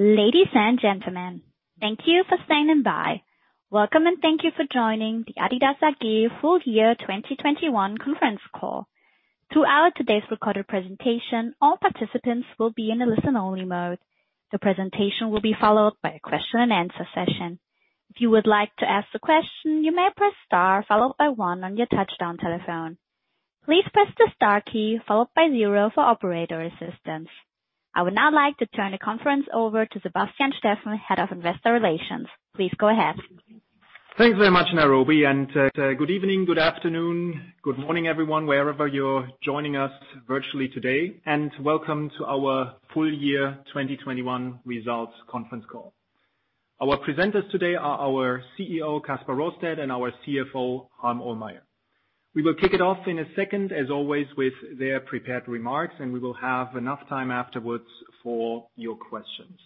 Ladies and gentlemen, thank you for standing by. Welcome, and thank you for joining the adidas AG full year 2021 conference call. Throughout today's recorded presentation, all participants will be in a listen-only mode. The presentation will be followed by a question and answer session. If you would like to ask a question, you may press star followed by one on your touch-tone telephone. Please press the star key followed by zero for operator assistance. I would now like to turn the conference over to Sebastian Steffen, Head of Investor Relations. Please go ahead. Thanks very much, Nairobi, and good evening, good afternoon, good morning, everyone, wherever you're joining us virtually today, and welcome to our full year 2021 results conference call. Our presenters today are our CEO, Kasper Rorsted, and our CFO, Harm Ohlmeyer. We will kick it off in a second, as always, with their prepared remarks, and we will have enough time afterwards for your questions.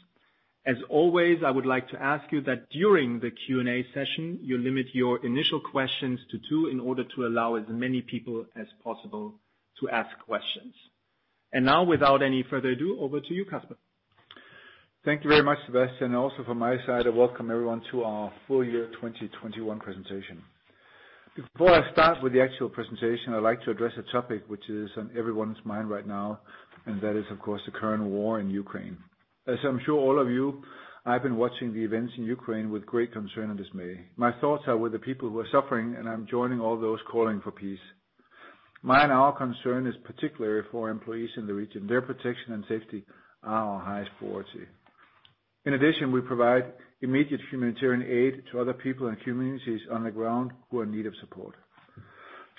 As always, I would like to ask you that during the Q&A session, you limit your initial questions to two in order to allow as many people as possible to ask questions. Now, without any further ado, over to you, Kasper. Thank you very much, Sebastian. Also from my side, I welcome everyone to our full year 2021 presentation. Before I start with the actual presentation, I'd like to address a topic which is on everyone's mind right now, and that is, of course, the current war in Ukraine. As I'm sure all of you have, I've been watching the events in Ukraine with great concern and dismay. My thoughts are with the people who are suffering, and I'm joining all those calling for peace. My and our concern is particularly for employees in the region. Their protection and safety are our highest priority. In addition, we provide immediate humanitarian aid to other people and communities on the ground who are in need of support.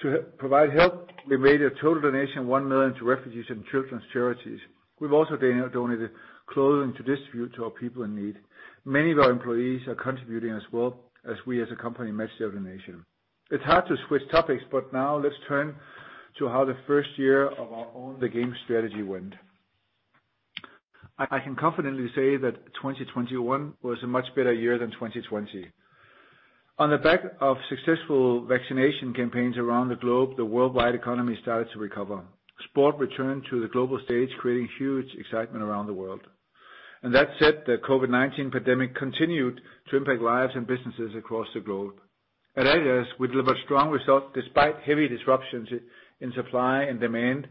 To provide help, we made a total donation, 1 million, to refugees and children's charities. We've also donated clothing to distribute to our people in need. Many of our employees are contributing as well as we as a company match their donation. It's hard to switch topics, but now let's turn to how the first year of our Own the Game strategy went. I can confidently say that 2021 was a much better year than 2020. On the back of successful vaccination campaigns around the globe, the worldwide economy started to recover. Sport returned to the global stage, creating huge excitement around the world. That said, the COVID-19 pandemic continued to impact lives and businesses across the globe. At adidas, we delivered strong results despite heavy disruptions in supply and demand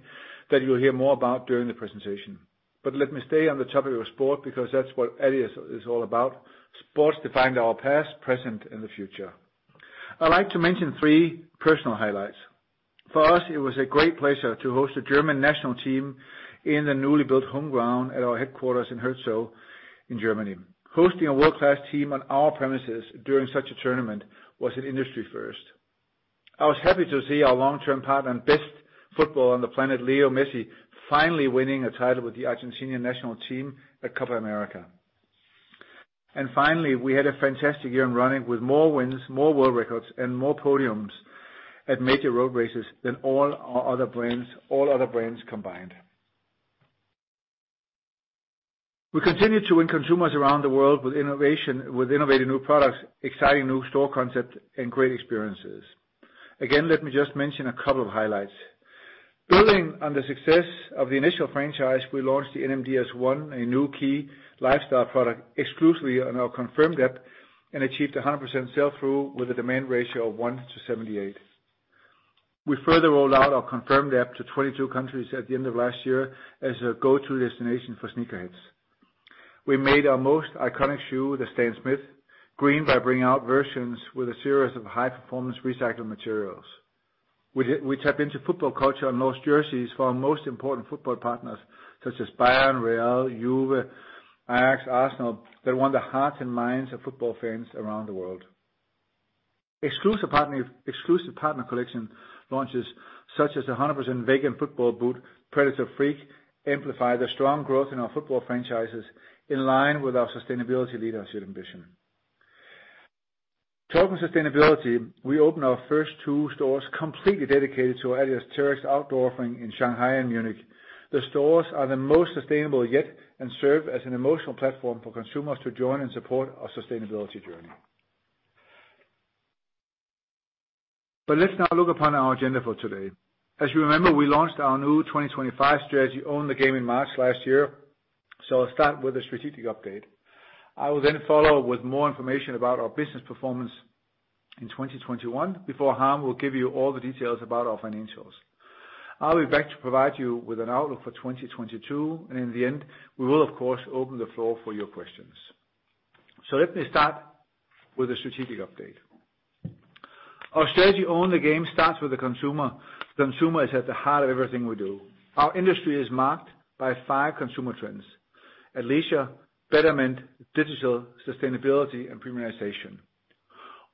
that you'll hear more about during the presentation. Let me stay on the topic of sport because that's what adidas is all about. Sports defined our past, present, and the future. I'd like to mention three personal highlights. For us, it was a great pleasure to host the German national team in the newly built home ground at our headquarters in Herzogenaurach in Germany. Hosting a world-class team on our premises during such a tournament was an industry first. I was happy to see our long-term partner and best football on the planet, Lionel Messi, finally winning a title with the Argentinian national team at Copa América. Finally, we had a fantastic year in running with more wins, more world records, and more podiums at major road races than all our other brands, all other brands combined. We continue to win consumers around the world with innovation, with innovative new products, exciting new store concepts, and great experiences. Again, let me just mention a couple of highlights. Building on the success of the initial franchise, we launched the NMD S1, a new key lifestyle product, exclusively on our CONFIRMED app and achieved a 100% sell through with a demand ratio of 1:78. We further rolled out our CONFIRMED app to 22 countries at the end of last year as a go-to destination for sneakerheads. We made our most iconic shoe, the Stan Smith, green by bringing out versions with a series of high-performance recycled materials. We tapped into football culture and launched jerseys for our most important football partners such as Bayern, Real, Juve, Ajax, Arsenal, that won the hearts and minds of football fans around the world. Exclusive partner collection launches such as the 100% vegan football boot, Predator Freak, amplify the strong growth in our football franchises in line with our sustainability leadership ambition. Talking sustainability, we opened our first two stores completely dedicated to our adidas Terrex outdoor offering in Shanghai and Munich. The stores are the most sustainable yet and serve as an emotional platform for consumers to join and support our sustainability journey. Let's now look upon our agenda for today. As you remember, we launched our new 2025 strategy, Own the Game, in March last year. I'll start with a strategic update. I will then follow with more information about our business performance in 2021 before Harm will give you all the details about our financials. I'll be back to provide you with an outlook for 2022, and in the end, we will of course open the floor for your questions. Let me start with a strategic update. Our strategy, Own the Game, starts with the consumer. The consumer is at the heart of everything we do. Our industry is marked by five consumer trends: athleisure, betterment, digital, sustainability, and premiumization.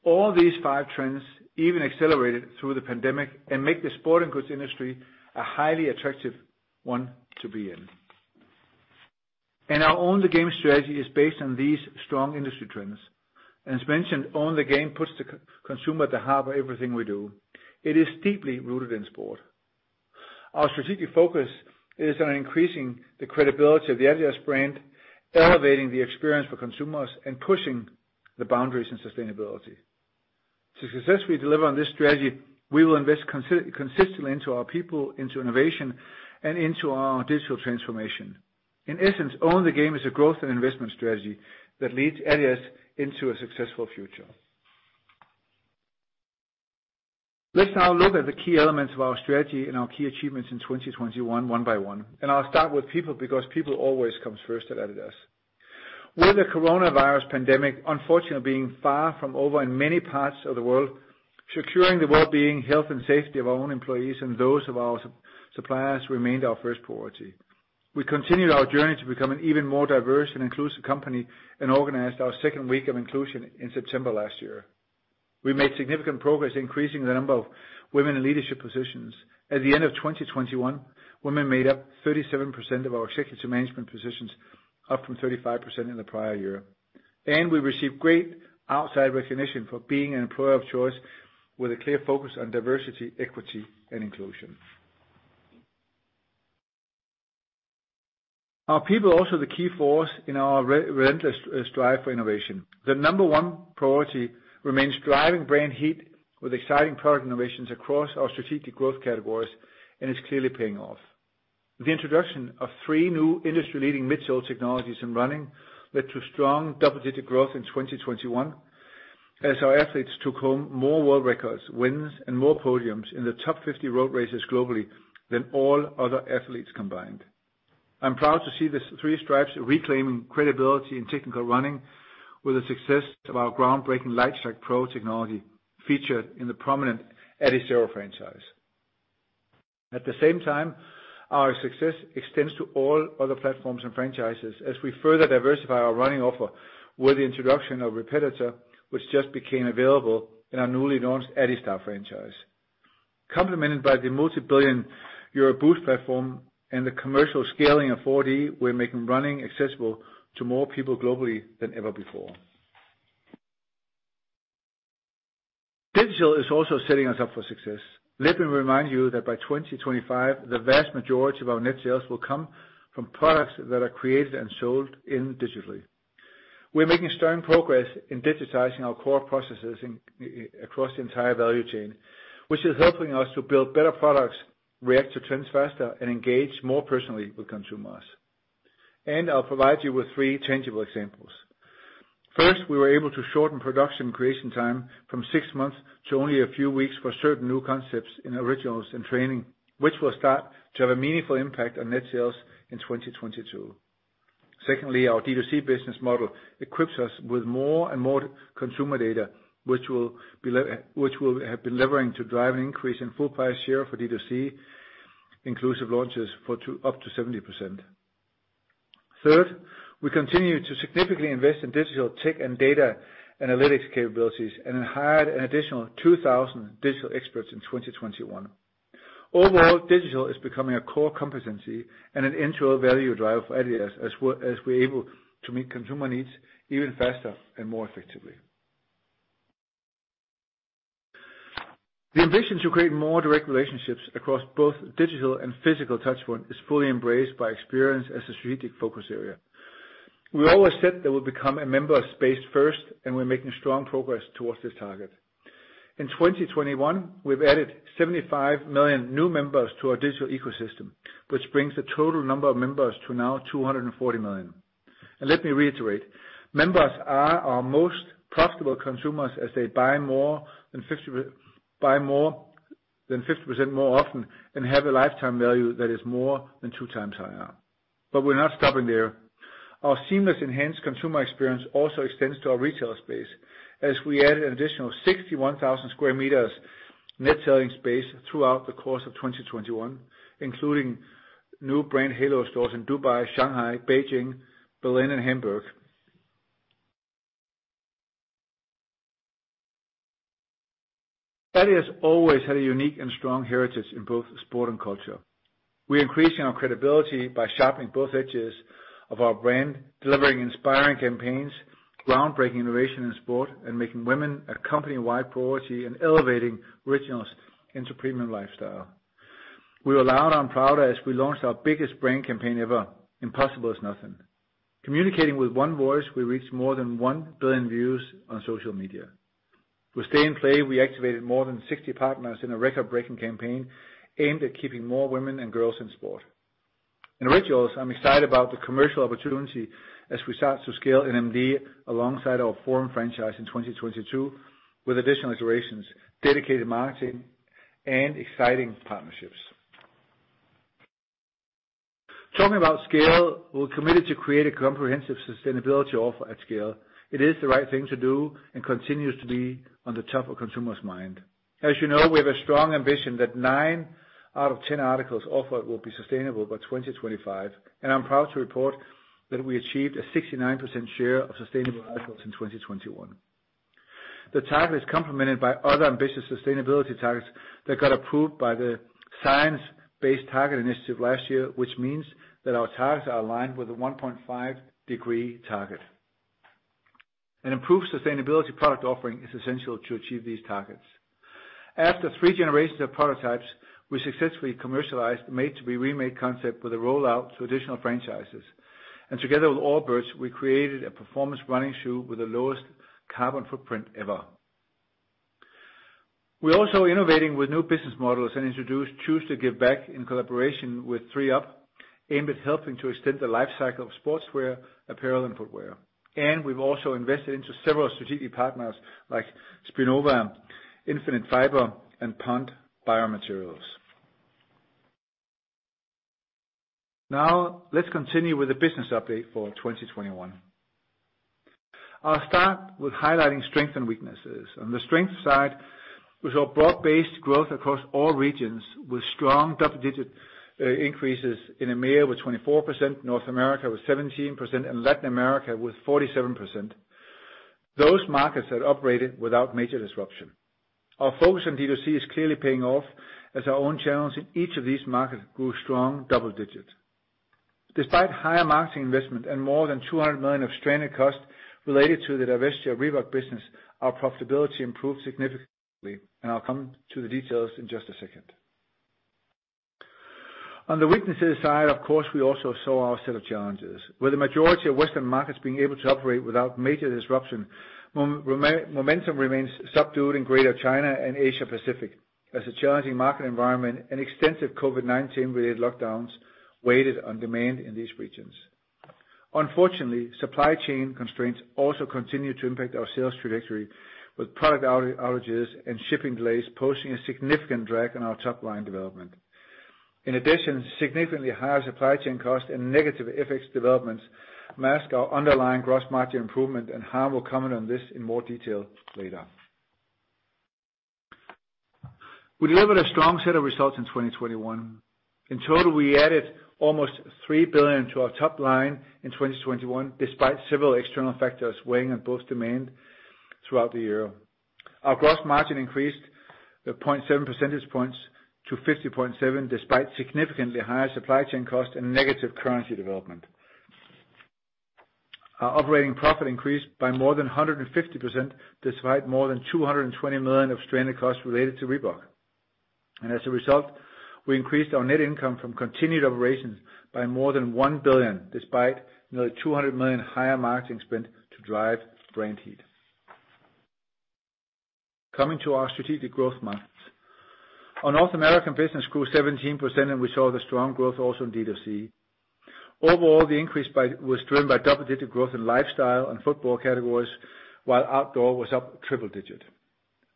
All these five trends even accelerated through the pandemic and make the sporting goods industry a highly attractive one to be in. Our Own the Game strategy is based on these strong industry trends. As mentioned, Own the Game puts the consumer at the heart of everything we do. It is deeply rooted in sport. Our strategic focus is on increasing the credibility of the adidas brand, elevating the experience for consumers, and pushing the boundaries in sustainability. To successfully deliver on this strategy, we will invest consistently into our people, into innovation, and into our digital transformation. In essence, Own the Game is a growth and investment strategy that leads adidas into a successful future. Let's now look at the key elements of our strategy and our key achievements in 2021 one by one, and I'll start with people because people always comes first at adidas. With the Coronavirus pandemic unfortunately being far from over in many parts of the world, securing the well-being, health, and safety of our own employees and those of our suppliers remained our first priority. We continued our journey to become an even more diverse and inclusive company and organized our second week of inclusion in September last year. We made significant progress in increasing the number of women in leadership positions. At the end of 2021, women made up 37% of our executive management positions, up from 35% in the prior year. We received great outside recognition for being an employer of choice with a clear focus on diversity, equity, and inclusion. Our people are also the key force in our relentless strive for innovation. The number one priority remains driving brand heat with exciting product innovations across our strategic growth categories and is clearly paying off. The introduction of three new industry-leading midsole technologies in running led to strong double-digit growth in 2021 as our athletes took home more world records, wins, and more podiums in the top 50 road races globally than all other athletes combined. I'm proud to see the three stripes reclaiming credibility in technical running with the success of our groundbreaking Lightstrike Pro technology featured in the prominent Adizero franchise. At the same time, our success extends to all other platforms and franchises as we further diversify our running offer with the introduction of Repetitor, which just became available in our newly launched Adistar franchise. Complemented by the multi-billion Euro Boost platform and the commercial scaling of 4DFWD, we're making running accessible to more people globally than ever before. Digital is also setting us up for success. Let me remind you that by 2025, the vast majority of our net sales will come from products that are created and sold digitally. We're making strong progress in digitizing our core processes across the entire value chain, which is helping us to build better products, react to trends faster, and engage more personally with consumers. I'll provide you with three tangible examples. First, we were able to shorten product creation time from six months to only a few weeks for certain new concepts in Originals and Training, which will start to have a meaningful impact on net sales in 2022. Secondly, our D2C business model equips us with more and more consumer data, which will be levering to drive an increase in full price share for D2C inclusive launches for up to 70%. Third, we continue to significantly invest in digital tech and data analytics capabilities and then hired an additional 2,000 digital experts in 2021. Overall, digital is becoming a core competency and an end-to-end value driver for adidas as we're able to meet consumer needs even faster and more effectively. The ambition to create more direct relationships across both digital and physical touchpoint is fully embraced by experience as a strategic focus area. We always said that we'll become a member space first, and we're making strong progress towards this target. In 2021, we've added 75 million new members to our digital ecosystem, which brings the total number of members to now 240 million. Let me reiterate, members are our most profitable consumers as they buy more than 50% more often and have a lifetime value that is more than 2x higher. We're not stopping there. Our seamless enhanced consumer experience also extends to our retail space as we added an additional 61,000 sq m net selling space throughout the course of 2021, including new brand halo stores in Dubai, Shanghai, Beijing, Berlin, and Hamburg. Adidas always had a unique and strong heritage in both sport and culture. We're increasing our credibility by sharpening both edges of our brand, delivering inspiring campaigns, groundbreaking innovation in sport, and making women a company-wide priority and elevating Originals into premium lifestyle. We were loud on power as we launched our biggest brand campaign ever, Impossible Is Nothing. Communicating with one voice, we reached more than 1 billion views on social media. With Stay in Play, we activated more than 60 partners in a record-breaking campaign aimed at keeping more women and girls in sport. In Originals, I'm excited about the commercial opportunity as we start to scale NMD alongside our Forum franchise in 2022 with additional iterations, dedicated marketing, and exciting partnerships. Talking about scale, we're committed to create a comprehensive sustainability offer at scale. It is the right thing to do and continues to be on the top of consumers' mind. As you know, we have a strong ambition that nine out of 10 articles offered will be sustainable by 2025, and I'm proud to report that we achieved a 69% share of sustainable articles in 2021. The target is complemented by other ambitious sustainability targets that got approved by the Science Based Targets initiative last year, which means that our targets are aligned with the 1.5-degree target. An improved sustainability product offering is essential to achieve these targets. After three generations of prototypes, we successfully commercialized Made to Be Remade concept with a rollout to additional franchises. Together with Allbirds, we created a performance running shoe with the lowest carbon footprint ever. We're also innovating with new business models and introduced Choose to Give Back in collaboration with thredUP, aimed at helping to extend the life cycle of sportswear, apparel, and footwear. We've also invested into several strategic partners like Spinnova, Infinited Fiber, and Pond Biomaterials. Now, let's continue with the business update for 2021. I'll start with highlighting strengths and weaknesses. On the strength side, we saw broad-based growth across all regions, with strong double-digit increases in EMEA with 24%, North America with 17%, and Latin America with 47%. Those markets had operated without major disruption. Our focus on D2C is clearly paying off as our own channels in each of these markets grew strong double digits. Despite higher marketing investment and more than 200 million of stranded costs related to the divestiture of Reebok business, our profitability improved significantly, and I'll come to the details in just a second. On the weaknesses side, of course, we also saw our set of challenges. With the majority of Western markets being able to operate without major disruption, momentum remains subdued in Greater China and Asia Pacific as a challenging market environment and extensive COVID-19 related lockdowns weighed on demand in these regions. Unfortunately, supply chain constraints also continue to impact our sales trajectory with product outages and shipping delays posing a significant drag on our top line development. In addition, significantly higher supply chain costs and negative FX developments mask our underlying gross margin improvement, and Harm will comment on this in more detail later. We delivered a strong set of results in 2021. In total, we added almost 3 billion to our top line in 2021, despite several external factors weighing on both demand throughout the year. Our gross margin increased by 0.7 percentage points to 50.7%, despite significantly higher supply chain costs and negative currency development. Our operating profit increased by more than 150%, despite more than 220 million of stranded costs related to Reebok. As a result, we increased our net income from continued operations by more than 1 billion, despite nearly 200 million higher marketing spend to drive brand heat. Coming to our strategic growth markets. Our North American business grew 17%, and we saw the strong growth also in D2C. Overall, the increase was driven by double-digit growth in lifestyle and football categories, while outdoor was up triple-digit.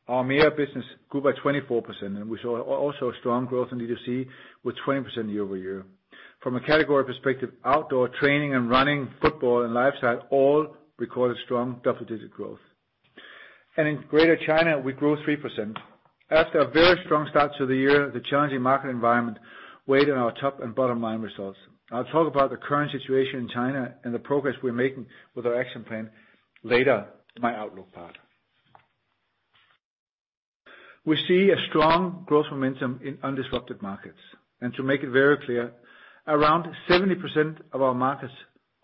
Our EMEA business grew by 24%, and we saw also strong growth in D2C with 20% year-over-year. From a category perspective, outdoor training and running, football and lifestyle all recorded strong double-digit growth. In Greater China, we grew 3%. After a very strong start to the year, the challenging market environment weighed on our top and bottom line results. I'll talk about the current situation in China and the progress we're making with our action plan later in my outlook part. We see a strong growth momentum in undisrupted markets. To make it very clear, around 70% of our markets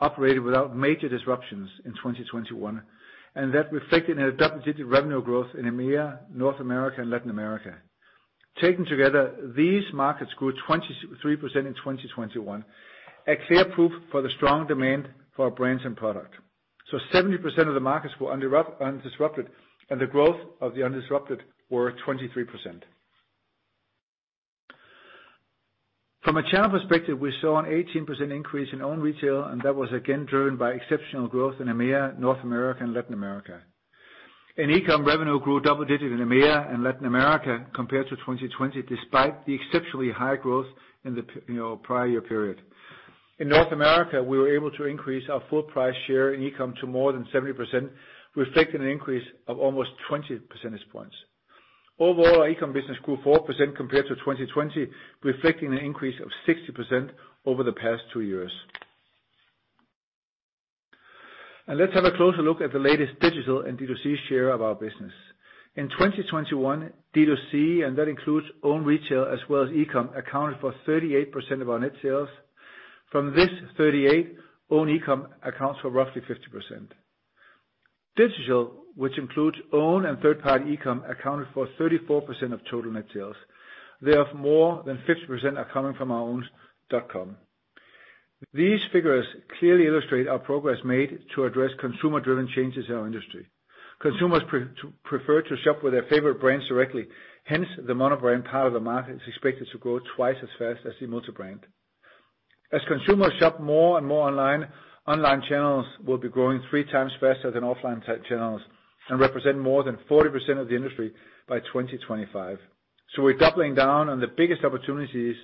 operated without major disruptions in 2021, and that reflected in a double-digit revenue growth in EMEA, North America, and Latin America. Taken together, these markets grew 23% in 2021, a clear proof for the strong demand for our brands and product. Seventy percent of the markets were undisrupted, and the growth of the undisrupted were 23%. From a channel perspective, we saw an 18% increase in own retail, and that was again driven by exceptional growth in EMEA, North America, and Latin America. In e-com, revenue grew double-digit in EMEA and Latin America compared to 2020, despite the exceptionally high growth in the you know, prior period. In North America, we were able to increase our full price share in e-com to more than 70%, reflecting an increase of almost 20 percentage points. Overall, our e-com business grew 4% compared to 2020, reflecting an increase of 60% over the past two years. Let's have a closer look at the latest digital and D2C share of our business. In 2021, D2C, and that includes own retail as well as e-com, accounted for 38% of our net sales. From this 38, own e-com accounts for roughly 50%. Digital, which includes own and third-party e-com, accounted for 34% of total net sales. Therefore, more than 50% are coming from our own dot-com. These figures clearly illustrate our progress made to address consumer-driven changes in our industry. Consumers prefer to shop with their favorite brands directly. Hence, the mono-brand part of the market is expected to grow twice as fast as the multi-brand. As consumers shop more and more online channels will be growing three times faster than offline channels and represent more than 40% of the industry by 2025. We're doubling down on the biggest opportunities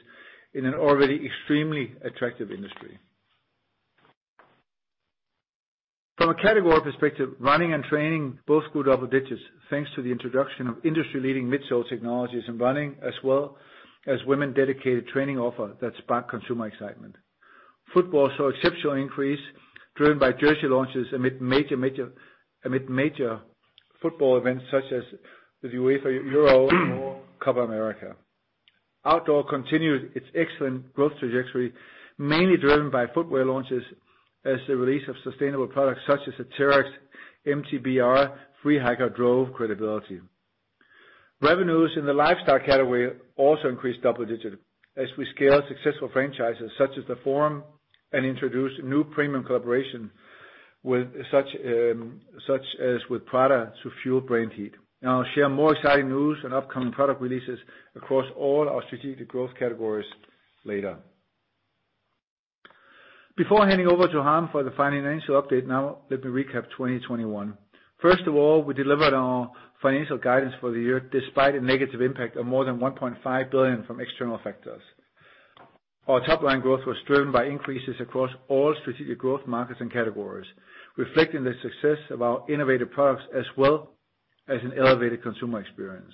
in an already extremely attractive industry. From a category perspective, running and training both grew double digits, thanks to the introduction of industry-leading midsole technologies in running, as well as women-dedicated training offer that spark consumer excitement. Football saw exceptional increase driven by jersey launches amid major football events such as the UEFA Euro, Copa América. Outdoor continued its excellent growth trajectory, mainly driven by footwear launches as the release of sustainable products such as the Terrex, MTBR Free Hiker drove credibility. Revenues in the lifestyle category also increased double-digits as we scale successful franchises such as the Forum and introduced new premium collaboration such as with Prada to fuel brand heat. Now I'll share more exciting news and upcoming product releases across all our strategic growth categories later. Before handing over to Harm for the financial update now, let me recap 2021. First of all, we delivered our financial guidance for the year despite a negative impact of more than 1.5 billion from external factors. Our top line growth was driven by increases across all strategic growth markets and categories, reflecting the success of our innovative products as well as an elevated consumer experience.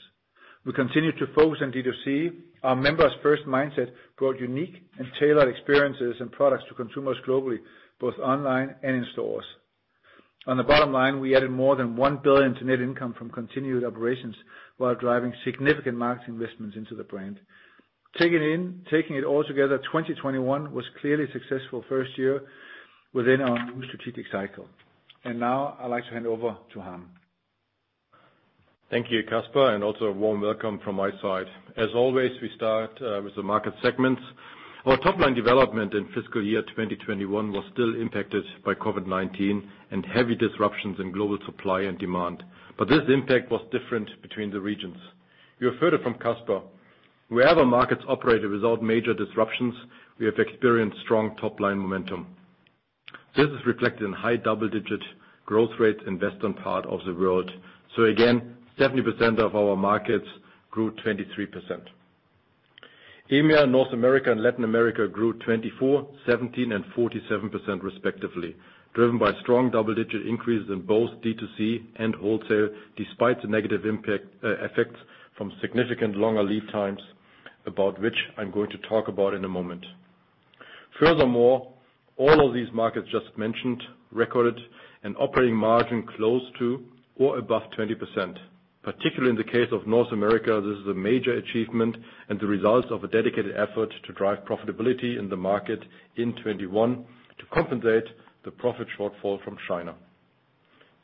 We continue to focus on D2C. Our members first mindset brought unique and tailored experiences and products to consumers globally, both online and in stores. On the bottom line, we added more than 1 billion to net income from continued operations while driving significant market investments into the brand. Taking it all together, 2021 was clearly a successful first year within our new strategic cycle. Now I'd like to hand over to Harm. Thank you, Kasper, and also a warm welcome from my side. As always, we start with the market segments. Our top line development in fiscal year 2021 was still impacted by COVID-19 and heavy disruptions in global supply and demand, but this impact was different between the regions. You have heard it from Kasper. Wherever markets operated without major disruptions, we have experienced strong top-line momentum. This is reflected in high double-digit growth rates in western part of the world. Again, 70% of our markets grew 23%. EMEA, North America, and Latin America grew 24%, 17%, and 47% respectively, driven by strong double-digit increases in both D2C and wholesale despite the negative impact, effects from significant longer lead times, about which I'm going to talk about in a moment. Furthermore, all of these markets just mentioned recorded an operating margin close to or above 20%. Particularly in the case of North America, this is a major achievement and the result of a dedicated effort to drive profitability in the market in 2021 to compensate the profit shortfall from China.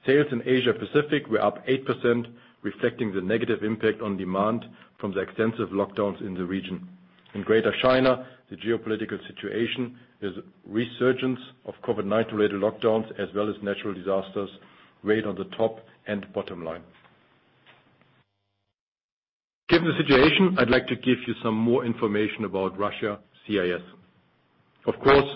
Sales in Asia-Pacific were up 8%, reflecting the negative impact on demand from the extensive lockdowns in the region. In Greater China, the geopolitical situation, the resurgence of COVID-19-related lockdowns as well as natural disasters weighed on the top and bottom line. Given the situation, I'd like to give you some more information about Russia CIS. Of course,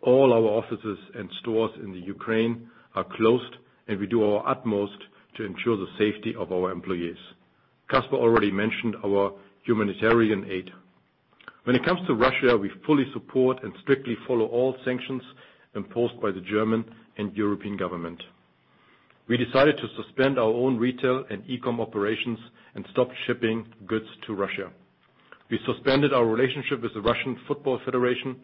all our offices and stores in Ukraine are closed, and we do our utmost to ensure the safety of our employees. Kasper already mentioned our humanitarian aid. When it comes to Russia, we fully support and strictly follow all sanctions imposed by the German and European government. We decided to suspend our own retail and e-com operations and stop shipping goods to Russia. We suspended our relationship with the Russian Football Federation.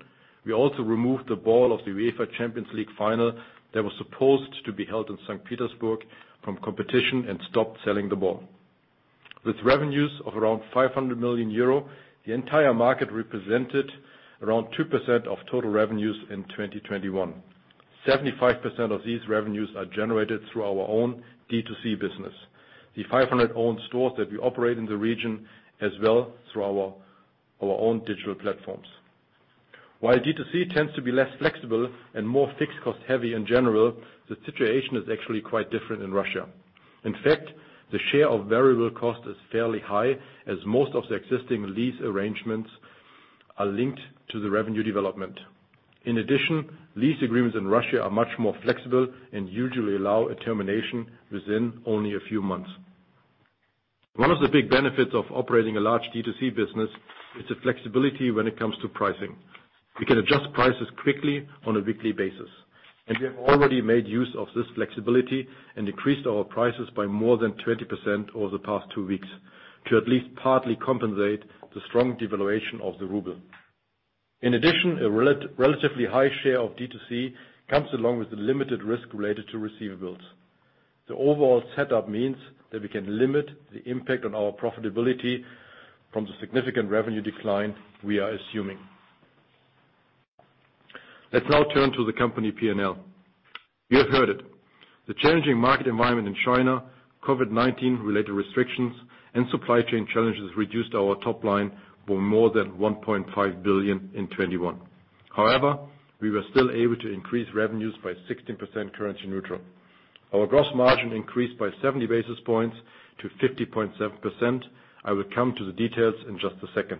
We also removed the ball of the UEFA Champions League final that was supposed to be held in St. Petersburg from competition and stopped selling the ball. With revenues of around 500 million euro, the entire market represented around 2% of total revenues in 2021. 75% of these revenues are generated through our own D2C business, the 500 owned stores that we operate in the region as well through our own digital platforms. While D2C tends to be less flexible and more fixed cost-heavy in general, the situation is actually quite different in Russia. In fact, the share of variable cost is fairly high as most of the existing lease arrangements are linked to the revenue development. In addition, lease agreements in Russia are much more flexible and usually allow a termination within only a few months. One of the big benefits of operating a large D2C business is the flexibility when it comes to pricing. We can adjust prices quickly on a weekly basis, and we have already made use of this flexibility and increased our prices by more than 20% over the past two weeks to at least partly compensate the strong devaluation of the ruble. In addition, a relatively high share of D2C comes along with the limited risk related to receivables. The overall setup means that we can limit the impact on our profitability from the significant revenue decline we are assuming. Let's now turn to the company P&L. You have heard it. The challenging market environment in China, COVID-19-related restrictions, and supply chain challenges reduced our top line for more than 1.5 billion in 2021. However, we were still able to increase revenues by 16% currency neutral. Our gross margin increased by 70 basis points to 50.7%. I will come to the details in just a second.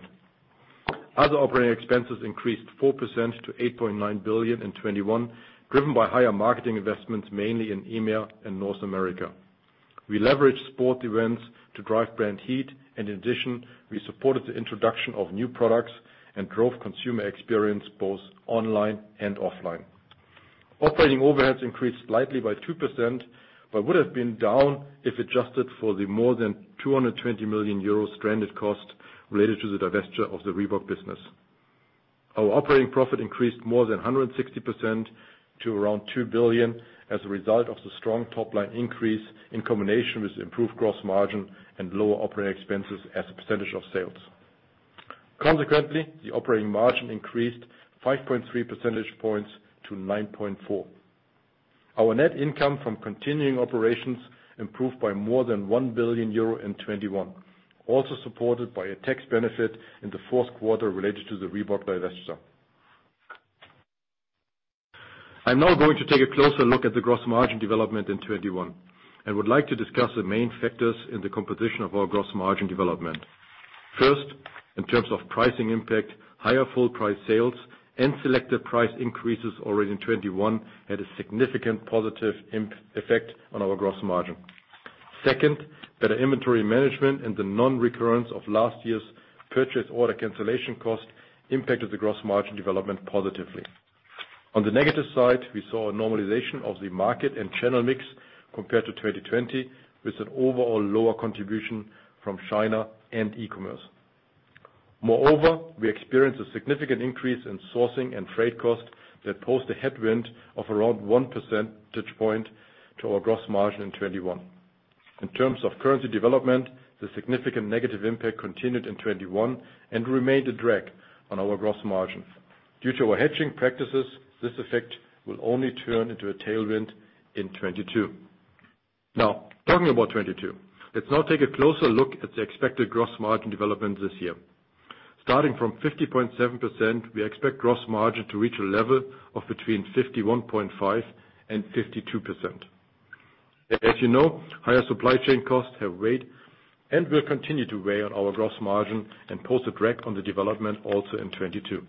Other operating expenses increased 4% to 8.9 billion in 2021, driven by higher marketing investments, mainly in EMEA and North America. We leveraged sport events to drive brand heat, and in addition, we supported the introduction of new products and drove consumer experience both online and offline. Operating overheads increased slightly by 2% but would have been down if adjusted for the more than 220 million euro stranded cost related to the divestiture of the Reebok business. Our operating profit increased more than 160% to around 2 billion as a result of the strong top-line increase in combination with improved gross margin and lower operating expenses as a percentage of sales. Consequently, the operating margin increased 5.3 percentage points to 9.4%. Our net income from continuing operations improved by more than 1 billion euro in 2021, also supported by a tax benefit in the fourth quarter related to the Reebok divestiture. I'm now going to take a closer look at the gross margin development in 2021, and would like to discuss the main factors in the composition of our gross margin development. First, in terms of pricing impact, higher full price sales and selective price increases already in 2021 had a significant positive effect on our gross margin. Second, better inventory management and the non-recurrence of last year's purchase order cancellation cost impacted the gross margin development positively. On the negative side, we saw a normalization of the market and channel mix compared to 2020, with an overall lower contribution from China and e-commerce. Moreover, we experienced a significant increase in sourcing and freight costs that posed a headwind of around 1 percentage point to our gross margin in 2021. In terms of currency development, the significant negative impact continued in 2021 and remained a drag on our gross margin. Due to our hedging practices, this effect will only turn into a tailwind in 2022. Now, talking about 2022, let's now take a closer look at the expected gross margin development this year. Starting from 50.7%, we expect gross margin to reach a level of between 51.5% and 52%. As you know, higher supply chain costs have weighed and will continue to weigh on our gross margin and pose a drag on the development also in 2022.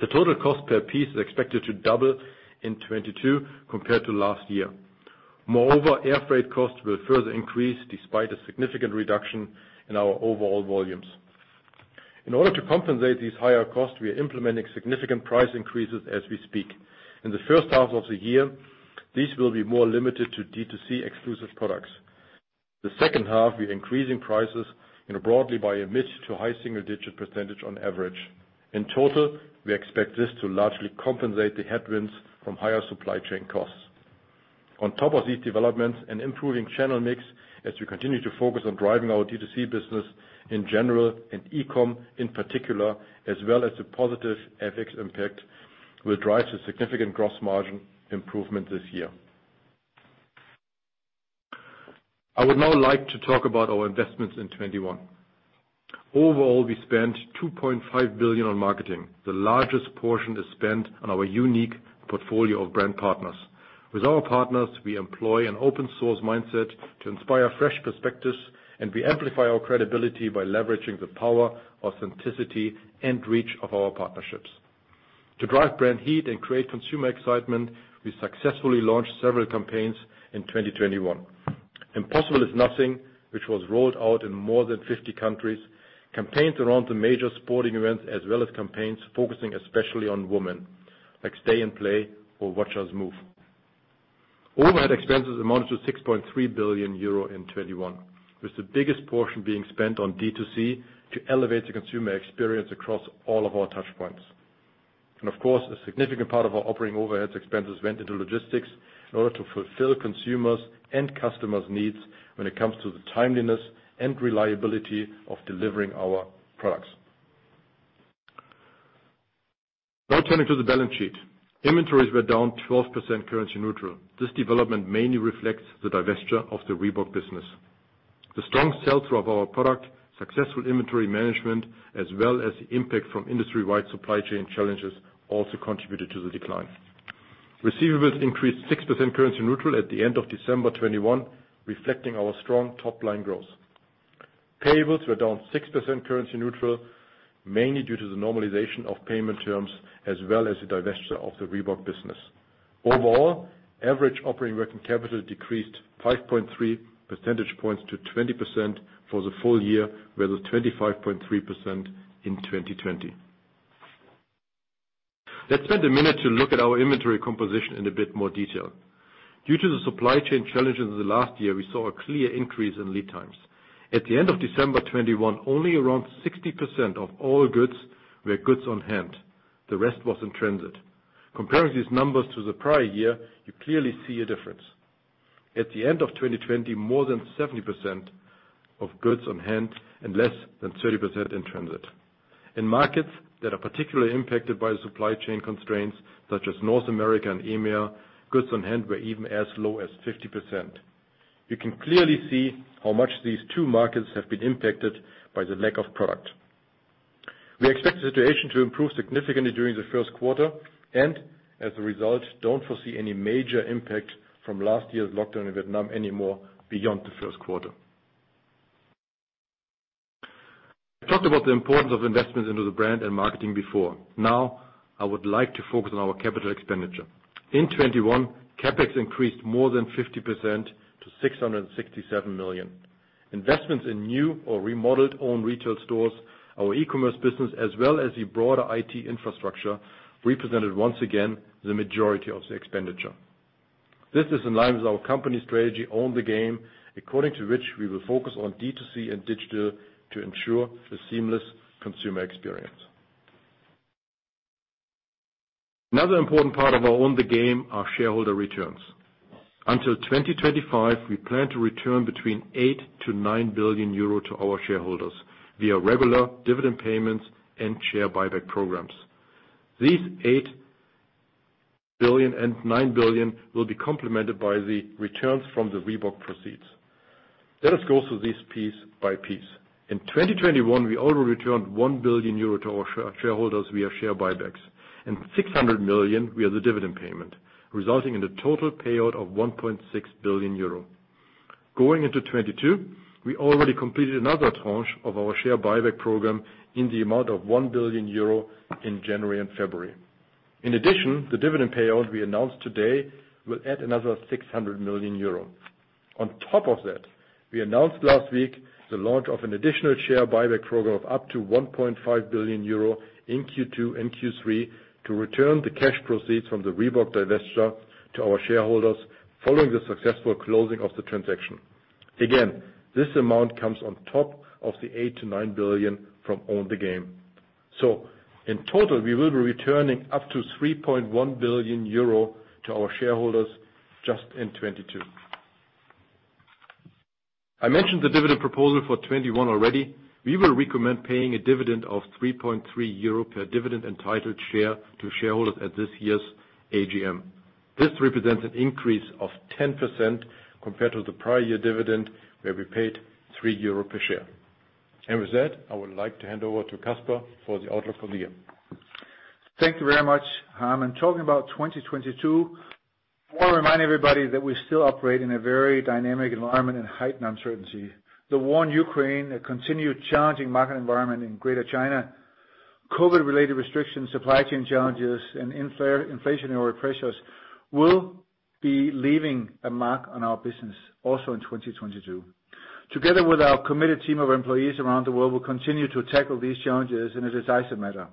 The total cost per piece is expected to double in 2022 compared to last year. Moreover, air freight costs will further increase despite a significant reduction in our overall volumes. In order to compensate these higher costs, we are implementing significant price increases as we speak. In the first half of the year, these will be more limited to D2C exclusive products. The second half, we're increasing prices in a broad way by a mid to high-single-digit percentage on average. In total, we expect this to largely compensate the headwinds from higher supply chain costs. On top of these developments, an improving channel mix as we continue to focus on driving our D2C business in general and e-com in particular, as well as the positive FX impact, will drive the significant gross margin improvement this year. I would now like to talk about our investments in 2021. Overall, we spent 2.5 billion on marketing. The largest portion is spent on our unique portfolio of brand partners. With our partners, we employ an open source mindset to inspire fresh perspectives, and we amplify our credibility by leveraging the power, authenticity, and reach of our partnerships. To drive brand heat and create consumer excitement, we successfully launched several campaigns in 2021. Impossible Is Nothing, which was rolled out in more than 50 countries, campaigns around the major sporting events, as well as campaigns focusing especially on women, like Stay in Play or Watch Us Move. Overhead expenses amounted to 6.3 billion euro in 2021, with the biggest portion being spent on D2C to elevate the consumer experience across all of our touchpoints. Of course, a significant part of our operating overhead expenses went into logistics in order to fulfill consumers' and customers' needs when it comes to the timeliness and reliability of delivering our products. Now turning to the balance sheet. Inventories were down 12% currency neutral. This development mainly reflects the divestiture of the Reebok business. The strong sell-through of our product, successful inventory management, as well as the impact from industry-wide supply chain challenges also contributed to the decline. Receivables increased 6% currency neutral at the end of December 2021, reflecting our strong top-line growth. Payables were down 6% currency neutral, mainly due to the normalization of payment terms as well as the divestiture of the Reebok business. Overall, average operating working capital decreased 5.3 percentage points to 20% for the full year, whereas 25.3% in 2020. Let's spend a minute to look at our inventory composition in a bit more detail. Due to the supply chain challenges in the last year, we saw a clear increase in lead times. At the end of December 2021, only around 60% of all goods were goods on hand. The rest was in transit. Comparing these numbers to the prior year, you clearly see a difference. At the end of 2020, more than 70% of goods on hand and less than 30% in transit. In markets that are particularly impacted by the supply chain constraints, such as North America and EMEA, goods on hand were even as low as 50%. You can clearly see how much these two markets have been impacted by the lack of product. We expect the situation to improve significantly during the first quarter, and as a result, don't foresee any major impact from last year's lockdown in Vietnam anymore beyond the first quarter. I talked about the importance of investments into the brand and marketing before. Now, I would like to focus on our capital expenditure. In 2021, CapEx increased more than 50% to 667 million. Investments in new or remodeled own retail stores, our e-commerce business, as well as the broader IT infrastructure, represented once again the majority of the expenditure. This is in line with our company strategy, Own the Game, according to which we will focus on D2C and digital to ensure a seamless consumer experience. Another important part of our Own the Game are shareholder returns. Until 2025, we plan to return between 8 billion-9 billion euro to our shareholders via regular dividend payments and share buyback programs. These 8 billion and 9 billion will be complemented by the returns from the Reebok proceeds. Let us go through this piece-by-piece. In 2021, we already returned 1 billion euro to our shareholders via share buybacks, and 600 million via the dividend payment, resulting in a total payout of 1.6 billion euro. Going into 2022, we already completed another tranche of our share buyback program in the amount of 1 billion euro in January and February. In addition, the dividend payout we announced today will add another 600 million euro. On top of that, we announced last week the launch of an additional share buyback program of up to 1.5 billion euro in Q2 and Q3 to return the cash proceeds from the Reebok divestiture to our shareholders following the successful closing of the transaction. Again, this amount comes on top of the 8 billion-9 billion from Own the Game. In total, we will be returning up to 3.1 billion euro to our shareholders just in 2022. I mentioned the dividend proposal for 2021 already. We will recommend paying a dividend of 3.3 euro per dividend-entitled share to shareholders at this year's AGM. This represents an increase of 10% compared to the prior year dividend, where we paid 3 euro per share. With that, I would like to hand over to Kasper for the outlook for the year. Thank you very much, Harm. In talking about 2022, I want to remind everybody that we still operate in a very dynamic environment and heightened uncertainty. The war in Ukraine, a continued challenging market environment in Greater China, COVID-related restrictions, supply chain challenges, and inflationary pressures will be leaving a mark on our business also in 2022. Together with our committed team of employees around the world, we'll continue to tackle these challenges in a decisive manner.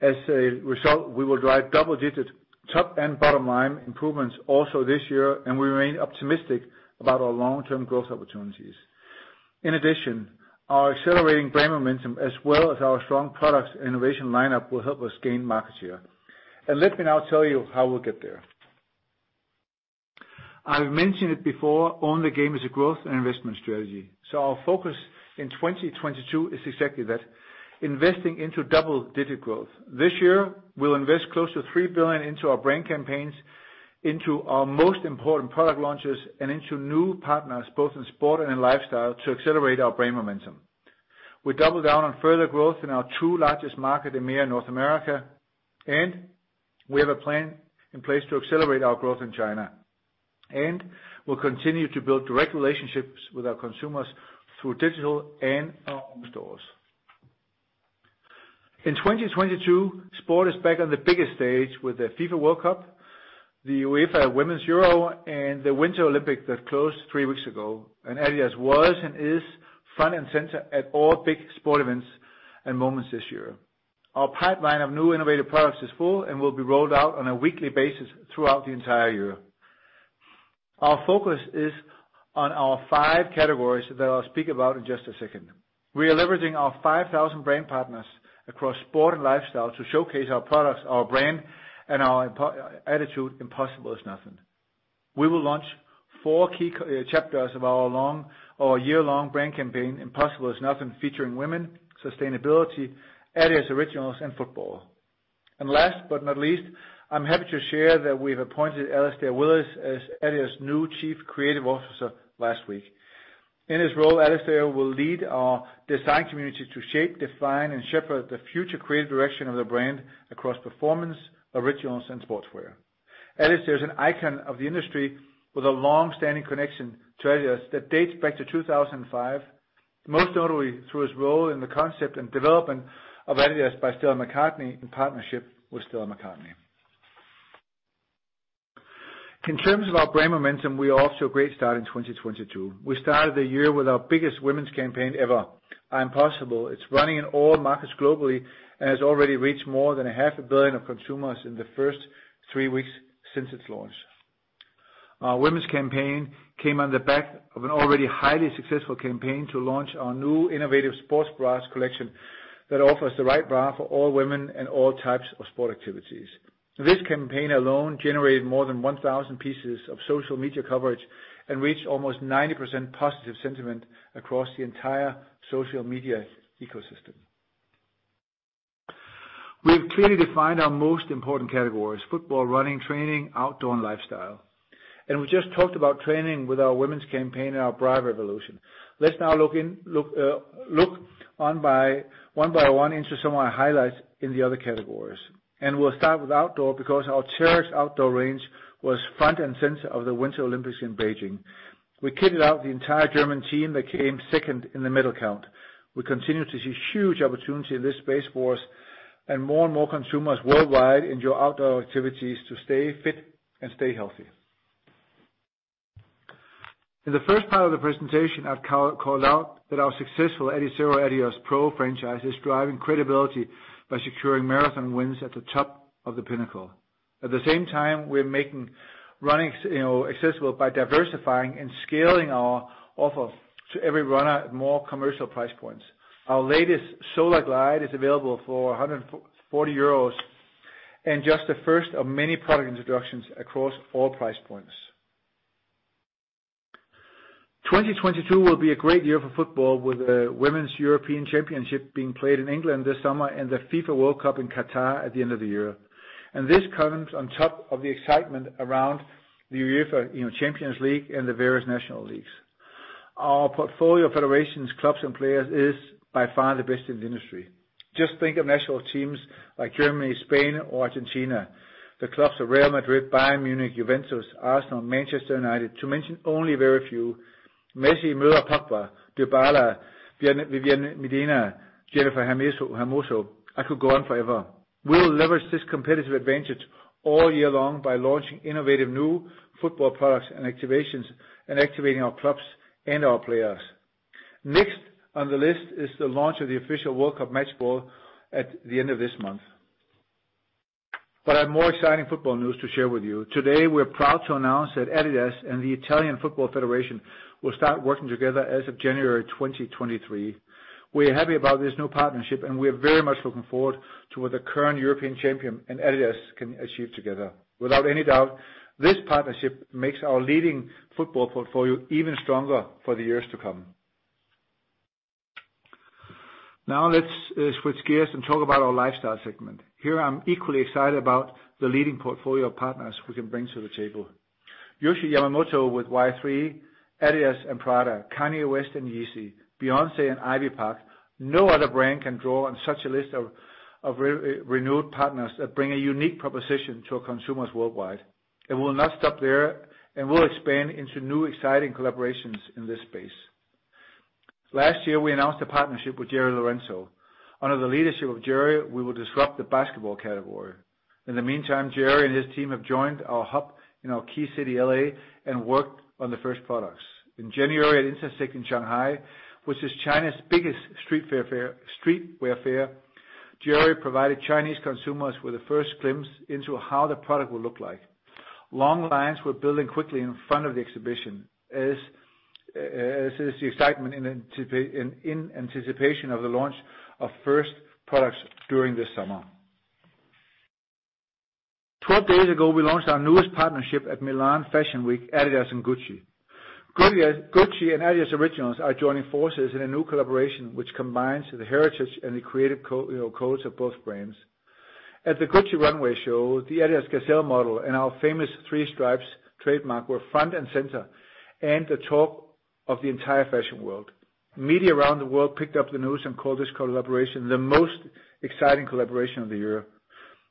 As a result, we will drive double-digit top and bottom line improvements also this year, and we remain optimistic about our long-term growth opportunities. In addition, our accelerating brand momentum, as well as our strong products innovation lineup, will help us gain market share. Let me now tell you how we'll get there. I've mentioned it before, Own the Game is a growth and investment strategy. Our focus in 2022 is exactly that, investing into double-digit growth. This year, we'll invest close to 3 billion into our brand campaigns, into our most important product launches, and into new partners, both in sport and in lifestyle, to accelerate our brand momentum. We double down on further growth in our two largest market, EMEA, North America, and we have a plan in place to accelerate our growth in China. We'll continue to build direct relationships with our consumers through digital and our own stores. In 2022, sport is back on the biggest stage with the FIFA World Cup, the UEFA Women's EURO, and the Winter Olympics that closed three weeks ago. adidas was and is front and center at all big sport events and moments this year. Our pipeline of new innovative products is full and will be rolled out on a weekly basis throughout the entire year. Our focus is on our five categories that I'll speak about in just a second. We are leveraging our 5,000 brand partners across sport and lifestyle to showcase our products, our brand, and our attitude, Impossible Is Nothing. We will launch four key chapters of our year-long brand campaign, Impossible Is Nothing, featuring women, sustainability, adidas Originals, and football. Last but not least, I'm happy to share that we've appointed Alasdhair Willis as adidas's new Chief Creative Officer last week. In his role, Alasdhair will lead our design community to shape, define, and shepherd the future creative direction of the brand across performance, Originals, and Sportswear. Alasdhair is an icon of the industry with a long-standing connection to adidas that dates back to 2005, most notably through his role in the concept and development of adidas by Stella McCartney in partnership with Stella McCartney. In terms of our brand momentum, we are off to a great start in 2022. We started the year with our biggest women's campaign ever, I'mPossible. It's running in all markets globally and has already reached more than 500 million consumers in the first three weeks since its launch. Our women's campaign came on the back of an already highly successful campaign to launch our new innovative sports bras collection that offers the right bra for all women and all types of sport activities. This campaign alone generated more than 1,000 pieces of social media coverage and reached almost 90% positive sentiment across the entire social media ecosystem. We've clearly defined our most important categories, football, running, training, outdoor, and lifestyle. We just talked about training with our women's campaign and our bra revolution. Let's now look one by one into some of our highlights in the other categories. We'll start with outdoor because our Terrex outdoor range was front and center of the Winter Olympics in Beijing. We kitted out the entire German team that came second in the medal count. We continue to see huge opportunity in this space for us and more and more consumers worldwide enjoy outdoor activities to stay fit and stay healthy. In the first part of the presentation, I've called out that our successful Adizero and Adios Pro franchise is driving credibility by securing marathon wins at the top of the pinnacle. At the same time, we're making running you know, accessible by diversifying and scaling our offer to every runner at more commercial price points. Our latest Solar Glide is available for 140 euros, and just the first of many product introductions across all price points. 2022 will be a great year for football, with the Women's European Championship being played in England this summer and the FIFA World Cup in Qatar at the end of the year. This comes on top of the excitement around the UEFA, you know, Champions League and the various national leagues. Our portfolio of federations, clubs, and players is by far the best in the industry. Just think of national teams like Germany, Spain or Argentina, the clubs of Real Madrid, Bayern Munich, Juventus, Arsenal, Manchester United, to mention only very few. Messi, Müller, Pogba, Dybala, Vivianne Miedema, Jennifer Hermoso, I could go on forever. We'll leverage this competitive advantage all year long by launching innovative new football products and activations, and activating our clubs and our players. Next on the list is the launch of the official World Cup match ball at the end of this month. I have more exciting football news to share with you. Today, we're proud to announce that adidas and the Italian Football Federation will start working together as of January 2023. We're happy about this new partnership, and we're very much looking forward to what the current European champion and adidas can achieve together. Without any doubt, this partnership makes our leading football portfolio even stronger for the years to come. Now let's switch gears and talk about our lifestyle segment. Here I'm equally excited about the leading portfolio of partners we can bring to the table. Yohji Yamamoto with Y-3, adidas and Prada, Kanye West and Yeezy, Beyoncé and IVY PARK. No other brand can draw on such a list of renowned partners that bring a unique proposition to our consumers worldwide. We'll not stop there, and we'll expand into new exciting collaborations in this space. Last year, we announced a partnership with Jerry Lorenzo. Under the leadership of Jerry, we will disrupt the basketball category. In the meantime, Jerry and his team have joined our hub in our key city, L.A., and worked on the first products. In January, at Innersect in Shanghai, which is China's biggest streetwear fair, Jerry provided Chinese consumers with a first glimpse into how the product will look like. Long lines were building quickly in front of the exhibition, as is the excitement in anticipation of the launch of first products during this summer. 12 days ago, we launched our newest partnership at Milan Fashion Week, adidas and Gucci. Gucci and adidas Originals are joining forces in a new collaboration, which combines the heritage and the creative you know, codes of both brands. At the Gucci runway show, the adidas Gazelle model and our famous three stripes trademark were front and center, and the talk of the entire fashion world. Media around the world picked up the news and called this collaboration the most exciting collaboration of the year.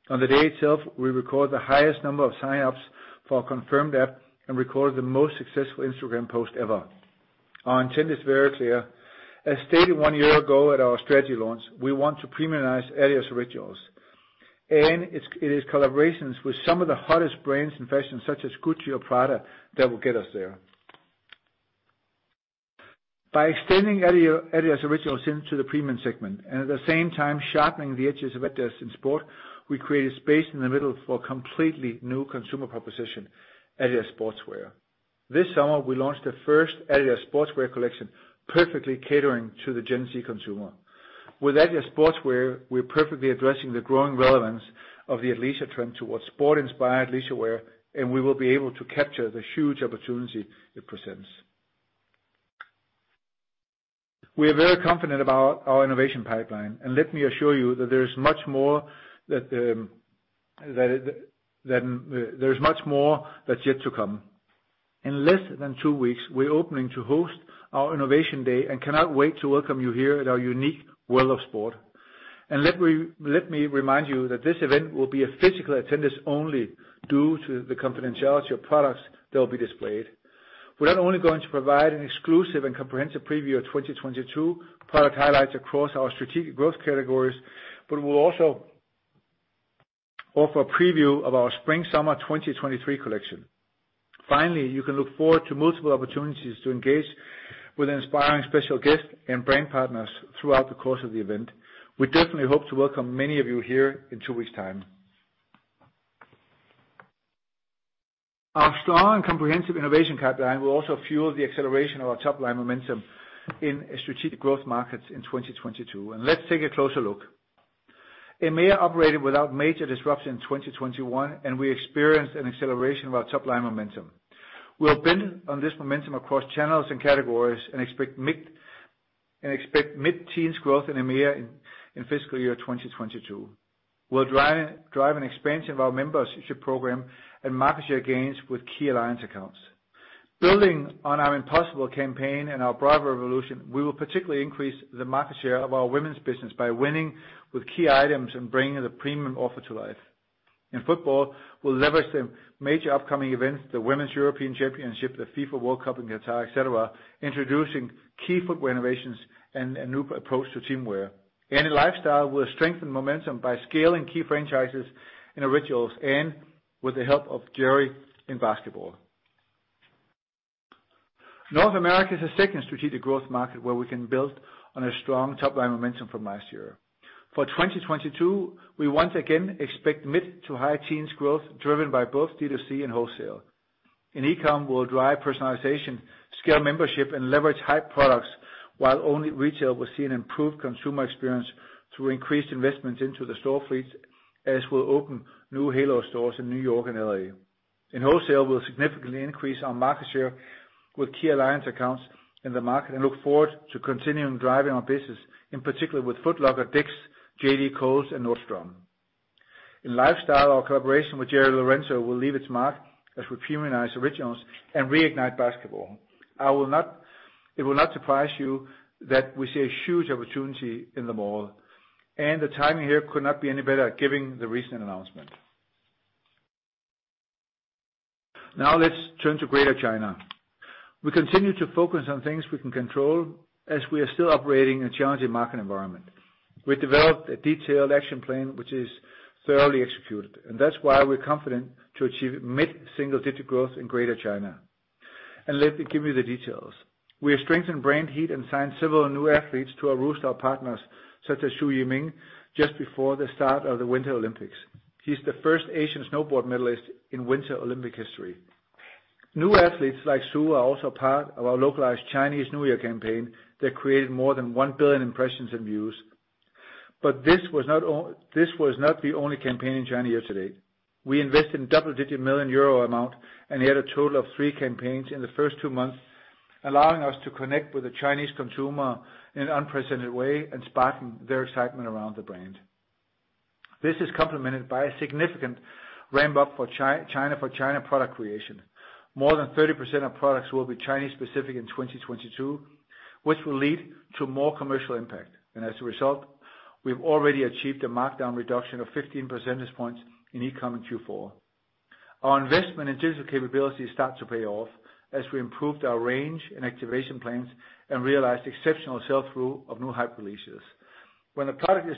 On the day itself, we recorded the highest number of sign-ups for a CONFIRMED app and recorded the most successful Instagram post ever. Our intent is very clear. As stated one year ago at our strategy launch, we want to premiumize adidas Originals, and it is collaborations with some of the hottest brands in fashion, such as Gucci or Prada, that will get us there. By extending adidas Originals into the premium segment, and at the same time sharpening the edges of adidas in sport, we created space in the middle for a completely new consumer proposition, adidas Sportswear. This summer, we launched the first adidas Sportswear collection, perfectly catering to the Gen Z consumer. With adidas Sportswear, we're perfectly addressing the growing relevance of the athleisure trend towards sport-inspired leisure wear, and we will be able to capture the huge opportunity it presents. We are very confident about our innovation pipeline, and let me assure you that there is much more that's yet to come. In less than two weeks, we're opening to host our innovation day and cannot wait to welcome you here at our unique world of sport. Let me remind you that this event will be a physical attendance only due to the confidentiality of products that will be displayed. We're not only going to provide an exclusive and comprehensive preview of 2022 product highlights across our strategic growth categories, but we'll also offer a preview of our spring/summer 2023 collection. Finally, you can look forward to multiple opportunities to engage with inspiring special guests and brand partners throughout the course of the event. We definitely hope to welcome many of you here in two weeks' time. Our strong and comprehensive innovation pipeline will also fuel the acceleration of our top-line momentum in strategic growth markets in 2022. Let's take a closer look. EMEA operated without major disruption in 2021, and we experienced an acceleration of our top-line momentum. We're building on this momentum across channels and categories and expect mid-teens growth in EMEA in fiscal year 2022. We'll drive an expansion of our membership program and market share gains with key alliance accounts. Building on our Impossible campaign and our broader revolution, we will particularly increase the market share of our women's business by winning with key items and bringing the premium offer to life. In football, we'll leverage the major upcoming events, the Women's European Championship, the FIFA World Cup in Qatar, et cetera, introducing key football innovations and a new approach to team wear. In lifestyle, we'll strengthen momentum by scaling key franchises in Originals and with the help of Jerry in basketball. North America is a second strategic growth market where we can build on a strong top-line momentum from last year. For 2022, we once again expect mid- to high-teens growth driven by both D2C and wholesale. In e-com, we'll drive personalization, scale membership, and leverage high products, while only retail will see an improved consumer experience through increased investments into the store fleets, as we'll open new Halo stores in New York and L.A. In wholesale, we'll significantly increase our market share with key alliance accounts in the market and look forward to continuing driving our business, in particular with Foot Locker, DICK'S, JD, Kohl's, and Nordstrom. In lifestyle, our collaboration with Jerry Lorenzo will leave its mark as we premiumize originals and reignite basketball. It will not surprise you that we see a huge opportunity in the mall, and the timing here could not be any better given the recent announcement. Now let's turn to Greater China. We continue to focus on things we can control as we are still operating in a challenging market environment. We developed a detailed action plan which is thoroughly executed, and that's why we're confident to achieve mid-single-digit growth in Greater China. Let me give you the details. We have strengthened brand heat and signed several new athletes to our roster of partners, such as Su Yiming, just before the start of the Winter Olympics. He's the first Asian snowboard medalist in Winter Olympic history. New athletes like Su are also part of our localized Chinese New Year campaign that created more than 1 billion impressions and views. This was not the only campaign in China year-to-date. We invested in double-digit million euro amount and had a total of three campaigns in the first two months, allowing us to connect with the Chinese consumer in an unprecedented way and sparking their excitement around the brand. This is complemented by a significant ramp-up for China product creation. More than 30% of products will be Chinese-specific in 2022, which will lead to more commercial impact. As a result, we've already achieved a markdown reduction of 15 percentage points in e-com in Q4. Our investment in digital capabilities start to pay off as we improved our range and activation plans and realized exceptional sell-through of new hype releases. When a product is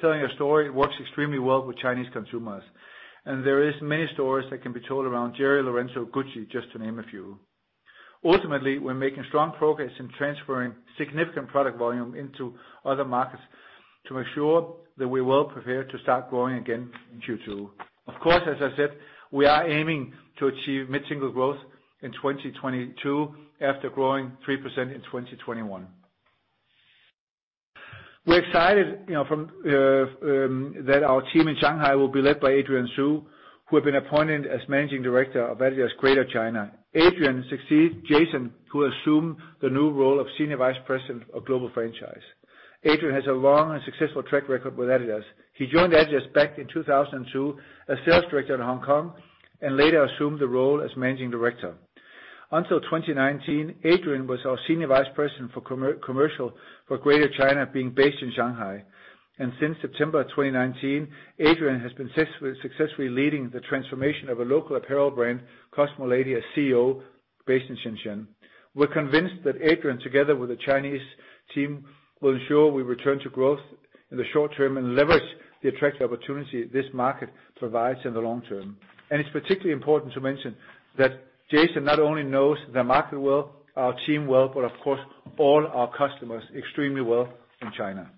telling a story, it works extremely well with Chinese consumers, and there is many stories that can be told around Jerry Lorenzo, Gucci, just to name a few. Ultimately, we're making strong progress in transferring significant product volume into other markets to ensure that we're well prepared to start growing again in Q2. Of course, as I said, we are aiming to achieve mid-single growth in 2022 after growing 3% in 2021. We're excited, you know, that our team in Shanghai will be led by Adrian Siu, who have been appointed as Managing Director of adidas Greater China. Adrian Siu succeeds Jason, who assumed the new role of Senior Vice President of Global Franchise. Adrian Siu has a long and successful track record with adidas. He joined adidas back in 2002 as Sales Director in Hong Kong and later assumed the role as Managing Director. Until 2019, Adrian Siu was our Senior Vice President for commercial for Greater China, being based in Shanghai. Since September of 2019, Adrian Siu has been successfully leading the transformation of a local apparel brand, Cosmo Lady, as CEO based in Shenzhen. We're convinced that Adrian, together with the Chinese team, will ensure we return to growth in the short term and leverage the attractive opportunity this market provides in the long term. It's particularly important to mention that Jason not only knows the market well, our team well, but of course, all our customers extremely well in China.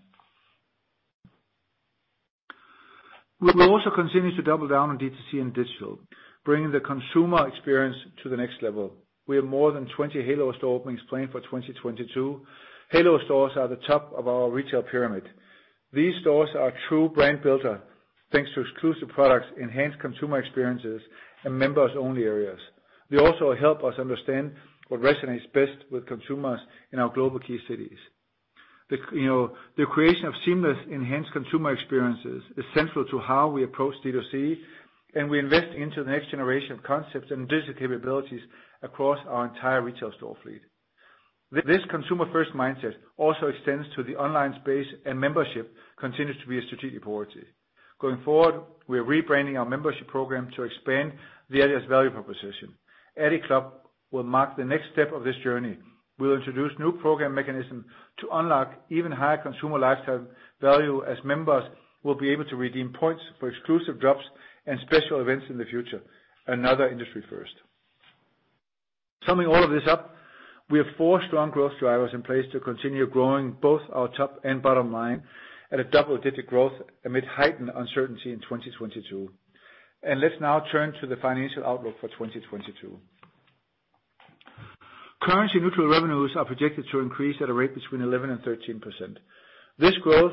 We will also continue to double down on D2C and digital, bringing the consumer experience to the next level. We have more than 20 Halo store openings planned for 2022. Halo stores are the top of our retail pyramid. These stores are true brand builder, thanks to exclusive products, enhanced consumer experiences, and members-only areas. They also help us understand what resonates best with consumers in our global key cities. You know, the creation of seamless, enhanced consumer experiences is central to how we approach D2C, and we invest into the next generation of concepts and digital capabilities across our entire retail store fleet. This consumer-first mindset also extends to the online space, and membership continues to be a strategic priority. Going forward, we are rebranding our membership program to expand the adidas value proposition. adiClub will mark the next step of this journey. We'll introduce new program mechanism to unlock even higher consumer lifetime value as members will be able to redeem points for exclusive drops and special events in the future, another industry first. Summing all of this up, we have four strong growth drivers in place to continue growing both our top and bottom line at a double-digit growth amid heightened uncertainty in 2022. Let's now turn to the financial outlook for 2022. Currency-neutral revenues are projected to increase at a rate between 11% and 13%. This growth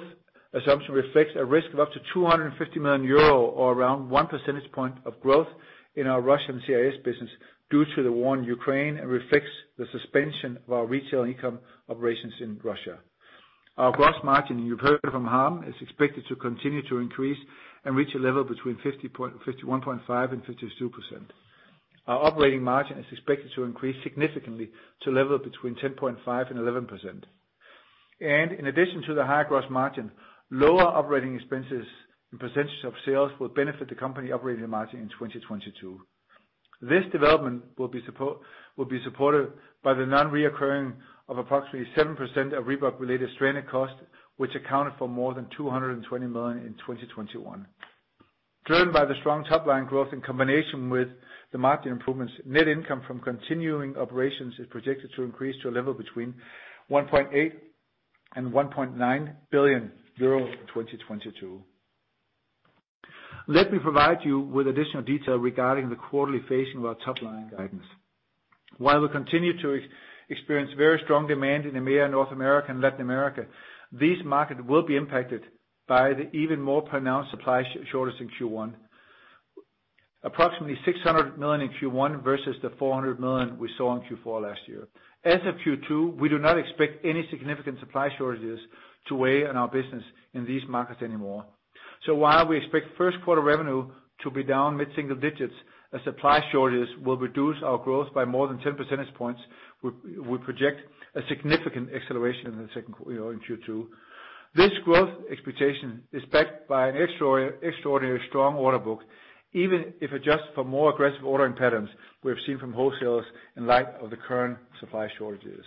assumption reflects a risk of up to 250 million euro or around 1 percentage point of growth in our Russian CIS business due to the war in Ukraine and reflects the suspension of our retail e-com operations in Russia. Our gross margin, you've heard from Harm, is expected to continue to increase and reach a level between 51.5% and 52%. Our operating margin is expected to increase significantly to a level between 10.5% and 11%. In addition to the higher gross margin, lower operating expenses as a percentage of sales will benefit the company operating margin in 2022. This development will be supported by the non-recurring of approximately 7% of Reebok-related stranded costs, which accounted for more than 220 million in 2021. Driven by the strong top-line growth in combination with the margin improvements, net income from continuing operations is projected to increase to a level between 1.8 billion and 1.9 billion euros in 2022. Let me provide you with additional detail regarding the quarterly phasing of our top line guidance. While we continue to experience very strong demand in EMEA, North America, and Latin America, these markets will be impacted by the even more pronounced supply shortage in Q1. Approximately 600 million in Q1 versus the 400 million we saw in Q4 last year. As of Q2, we do not expect any significant supply shortages to weigh on our business in these markets anymore. While we expect first quarter revenue to be down mid-single digits as supply shortages will reduce our growth by more than 10 percentage points, we project a significant acceleration you know, in Q2. This growth expectation is backed by an extraordinary strong order book, even if adjusted for more aggressive ordering patterns we have seen from wholesalers in light of the current supply shortages.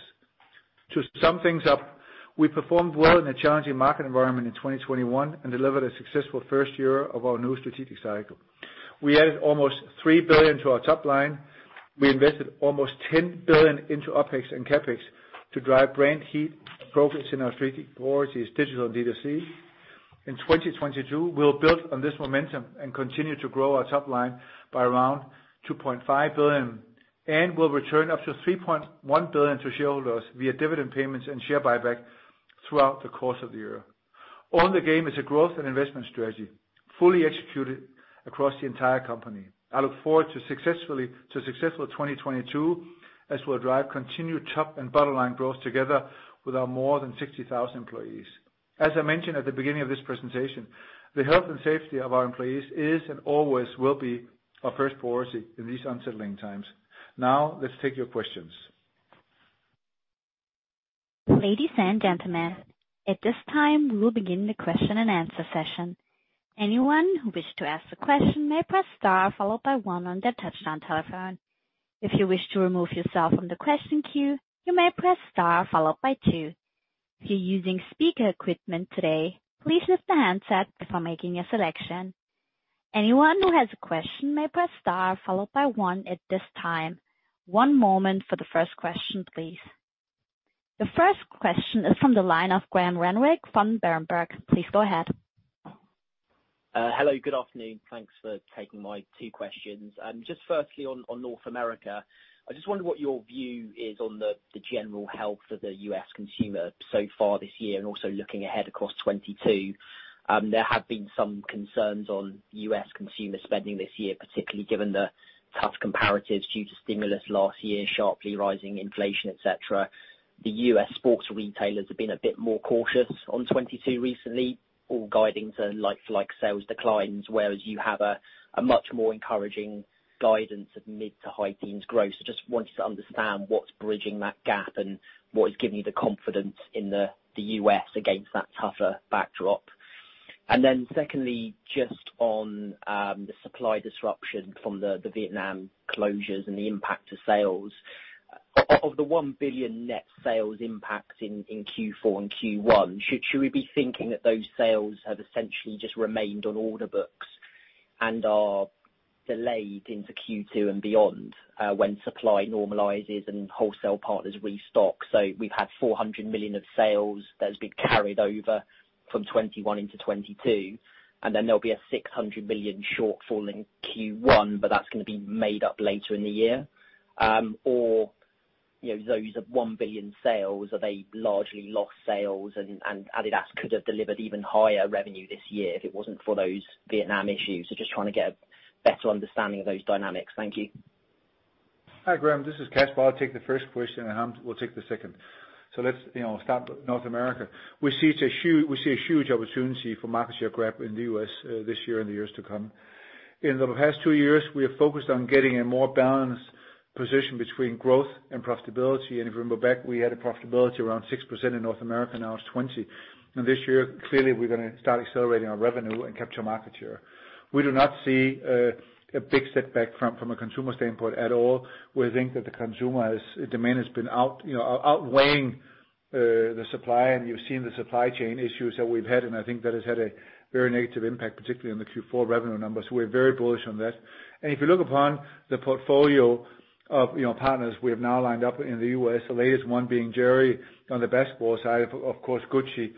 To sum things up, we performed well in a challenging market environment in 2021 and delivered a successful first year of our new strategic cycle. We added almost 3 billion to our top line. We invested almost 10 billion into OpEx and CapEx to drive brand heat progress in our strategic priorities, digital and D2C. In 2022, we'll build on this momentum and continue to grow our top line by around 2.5 billion, and we'll return up to 3.1 billion to shareholders via dividend payments and share buyback throughout the course of the year. Own the Game is a growth and investment strategy, fully executed across the entire company. I look forward to a successful 2022 as we'll drive continued top and bottom line growth together with our more than 60,000 employees. As I mentioned at the beginning of this presentation, the health and safety of our employees is and always will be our first priority in these unsettling times. Now, let's take your questions. Ladies and gentlemen, at this time, we will begin the question-and-answer session. Anyone who wishes to ask a question may press star followed by one on their touchtone telephone. If you wish to remove yourself from the question queue, you may press star followed by two. If you're using speaker equipment today, please lift the handset before making a selection. Anyone who has a question may press star followed by one at this time. One moment for the first question, please. The first question is from the line of Graham Renwick from Berenberg. Please go ahead. Hello, good afternoon. Thanks for taking my two questions. Just firstly on North America, I just wonder what your view is on the general health of the U.S. consumer so far this year, and also looking ahead across 2022. There have been some concerns on U.S. consumer spending this year, particularly given the tough comparatives due to stimulus last year, sharply rising inflation, et cetera. The U.S. sports retailers have been a bit more cautious on 2022 recently, all guiding to like-for-like sales declines, whereas you have a much more encouraging guidance of mid- to high-teens growth. Just wanted to understand what's bridging that gap and what is giving you the confidence in the U.S. against that tougher backdrop. Secondly, just on the supply disruption from the Vietnam closures and the impact to sales. Of the 1 billion net sales impact in Q4 and Q1, should we be thinking that those sales have essentially just remained on order books and are delayed into Q2 and beyond, when supply normalizes and wholesale partners restock? We've had 400 million of sales that has been carried over from 2021 into 2022, and then there'll be a 600 million shortfall in Q1, but that's gonna be made up later in the year? You know, those 1 billion sales, are they largely lost sales and adidas could have delivered even higher revenue this year if it wasn't for those Vietnam issues? Just trying to get a better understanding of those dynamics. Thank you. Hi, Graham. This is Kasper. I'll take the first question, and Harm will take the second. Let's, you know, start with North America. We see a huge opportunity for market share growth in the U.S., this year and the years to come. In the past two years, we have focused on getting a more balanced position between growth and profitability. If you remember back, we had a profitability around 6% in North America, now it's 20%. This year, clearly, we're gonna start accelerating our revenue and capture market share. We do not see a big setback from a consumer standpoint at all. We think that demand has been out, you know, outweighing the supply, and you've seen the supply chain issues that we've had, and I think that has had a very negative impact, particularly on the Q4 revenue numbers. We're very bullish on that. If you look upon the portfolio of, you know, partners we have now lined up in the U.S., the latest one being Jerry on the basketball side, of course, Gucci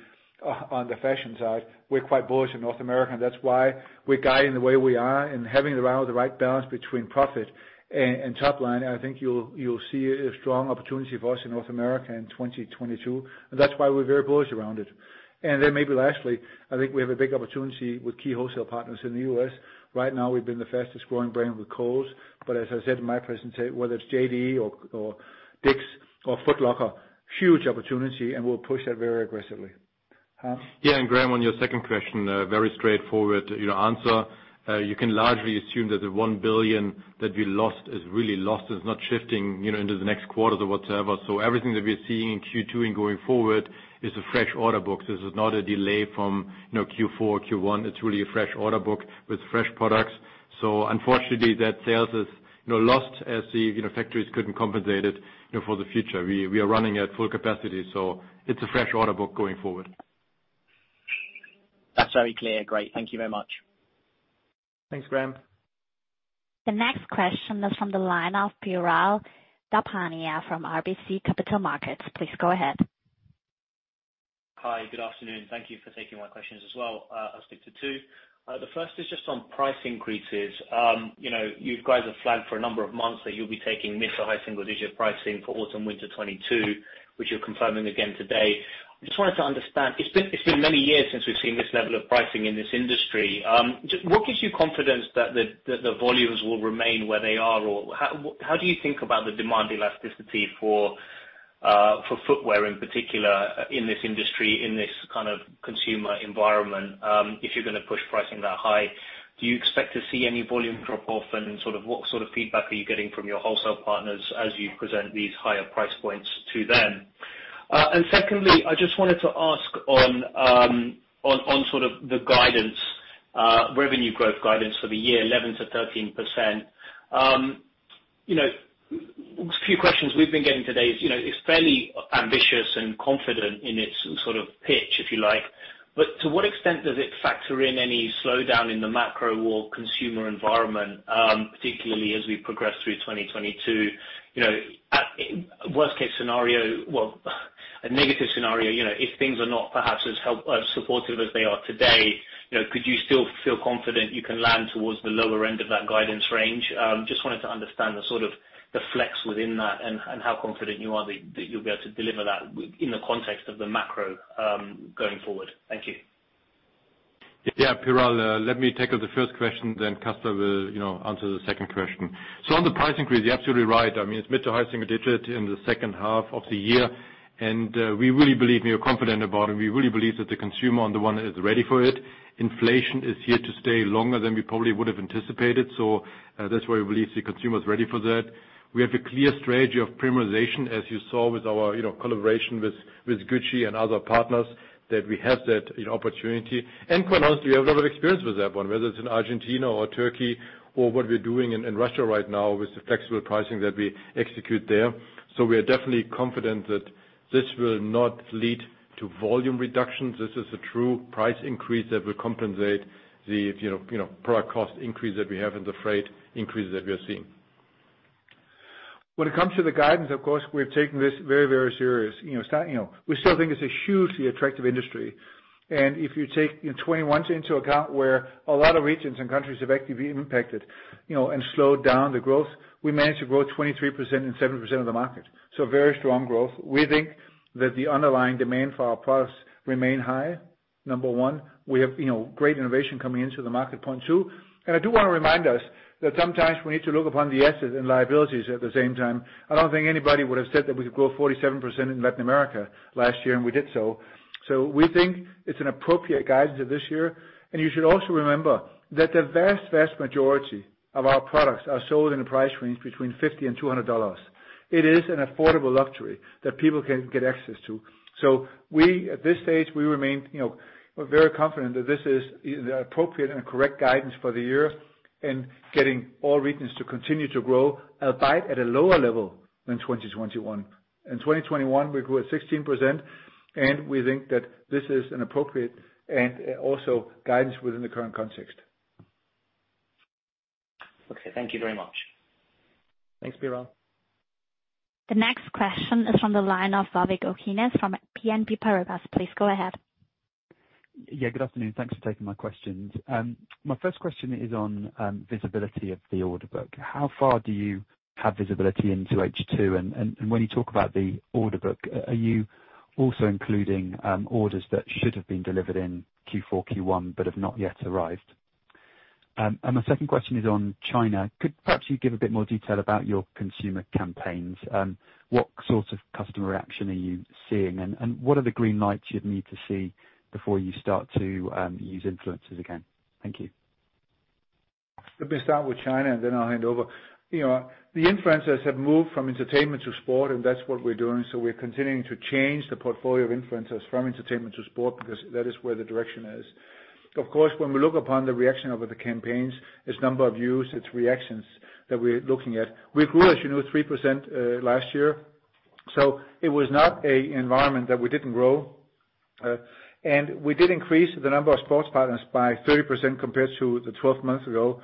on the fashion side, we're quite bullish in North America, and that's why we're guiding the way we are and having around the right balance between profit and top line. I think you'll see a strong opportunity for us in North America in 2022. That's why we're very bullish around it. Then maybe lastly, I think we have a big opportunity with key wholesale partners in the U.S. Right now, we've been the fastest-growing brand with Kohl's. As I said in my presentation, whether it's JD or Dick's or Foot Locker, huge opportunity, and we'll push that very aggressively. Hans? Yeah, Graham, on your second question, very straightforward, you know, answer. You can largely assume that the 1 billion that we lost is really lost. It's not shifting, you know, into the next quarters or whatever. Everything that we're seeing in Q2 and going forward is a fresh order book. This is not a delay from, you know, Q4 or Q1. It's really a fresh order book with fresh products. Unfortunately that sales is, you know, lost as the, you know, factories couldn't compensate it, you know, for the future. We are running at full capacity, so it's a fresh order book going forward. That's very clear. Great. Thank you very much. Thanks, Graham. The next question is from the line of Piral Dadhania from RBC Capital Markets. Please go ahead. Hi, good afternoon. Thank you for taking my questions as well. I'll stick to two. The first is just on price increases. You know, you guys have flagged for a number of months that you'll be taking mid to high-single-digit pricing for autumn/winter 2022, which you're confirming again today. Just wanted to understand, it's been many years since we've seen this level of pricing in this industry. Just what gives you confidence that the volumes will remain where they are or how do you think about the demand elasticity for footwear in particular in this industry, in this kind of consumer environment, if you're gonna push pricing that high? Do you expect to see any volume drop off and sort of what sort of feedback are you getting from your wholesale partners as you present these higher price points to them? Secondly, I just wanted to ask on sort of the guidance, revenue growth guidance for the year 11%-13%. You know, a few questions we've been getting today is, you know, it's fairly ambitious and confident in its sort of pitch, if you like. To what extent does it factor in any slowdown in the macro or consumer environment, particularly as we progress through 2022? You know, at worst case scenario, well, a negative scenario, you know, if things are not perhaps as helpful as they are today, you know, could you still feel confident you can land towards the lower end of that guidance range? Just wanted to understand the sort of flex within that and how confident you are that you'll be able to deliver that within the context of the macro, going forward. Thank you. Yeah. Piral, let me tackle the first question, then Kasper will, you know, answer the second question. On the price increase, you're absolutely right. I mean, it's mid- to high-single-digit in the second half of the year. We really believe we are confident about it. We really believe that the consumer on the one hand is ready for it. Inflation is here to stay longer than we probably would have anticipated. That's why we believe the consumer is ready for that. We have a clear strategy of premiumization, as you saw with our, you know, collaboration with Gucci and other partners. We have that, you know, opportunity. Quite honestly, we have a lot of experience with that one, whether it's in Argentina or Turkey or what we're doing in Russia right now with the flexible pricing that we execute there. We are definitely confident that this will not lead to volume reductions. This is a true price increase that will compensate the, you know, product cost increase that we have and the freight increases that we are seeing. When it comes to the guidance, of course, we've taken this very, very serious. You know, we still think it's a hugely attractive industry. If you take, you know, 2021 into account, where a lot of regions and countries have actually been impacted, you know, and slowed down the growth, we managed to grow 23% and 7% of the market. Very strong growth. We think that the underlying demand for our products remain high, number one. We have, you know, great innovation coming into the market, point two. I do wanna remind us that sometimes we need to look upon the assets and liabilities at the same time. I don't think anybody would have said that we could grow 4DFWD 7% in Latin America last year, and we did so. We think it's an appropriate guidance of this year. You should also remember that the vast majority of our products are sold in a price range between $50-$200. It is an affordable luxury that people can get access to. We, at this stage, we remain, you know, we're very confident that this is the appropriate and correct guidance for the year and getting all regions to continue to grow, albeit at a lower level than 2021. In 2021, we grew at 16%, and we think that this is an appropriate and also guidance within the current context. Okay, thank you very much. Thanks, Piral. The next question is from the line of Warwick Okines from BNP Paribas. Please go ahead. Yeah, good afternoon. Thanks for taking my questions. My first question is on visibility of the order book. How far do you have visibility into H2? When you talk about the order book, are you also including orders that should have been delivered in Q4, Q1 but have not yet arrived? My second question is on China. Could perhaps you give a bit more detail about your consumer campaigns? What sort of customer reaction are you seeing? What are the green lights you'd need to see before you start to use influencers again? Thank you. Let me start with China, and then I'll hand over. You know, the influencers have moved from entertainment to sport, and that's what we're doing. We're continuing to change the portfolio of influencers from entertainment to sport, because that is where the direction is. Of course, when we look upon the reaction over the campaigns, its number of views, its reactions that we're looking at. We grew, as you know, 3% last year, so it was not a environment that we didn't grow. We did increase the number of sports partners by 30% compared to 12 months ago.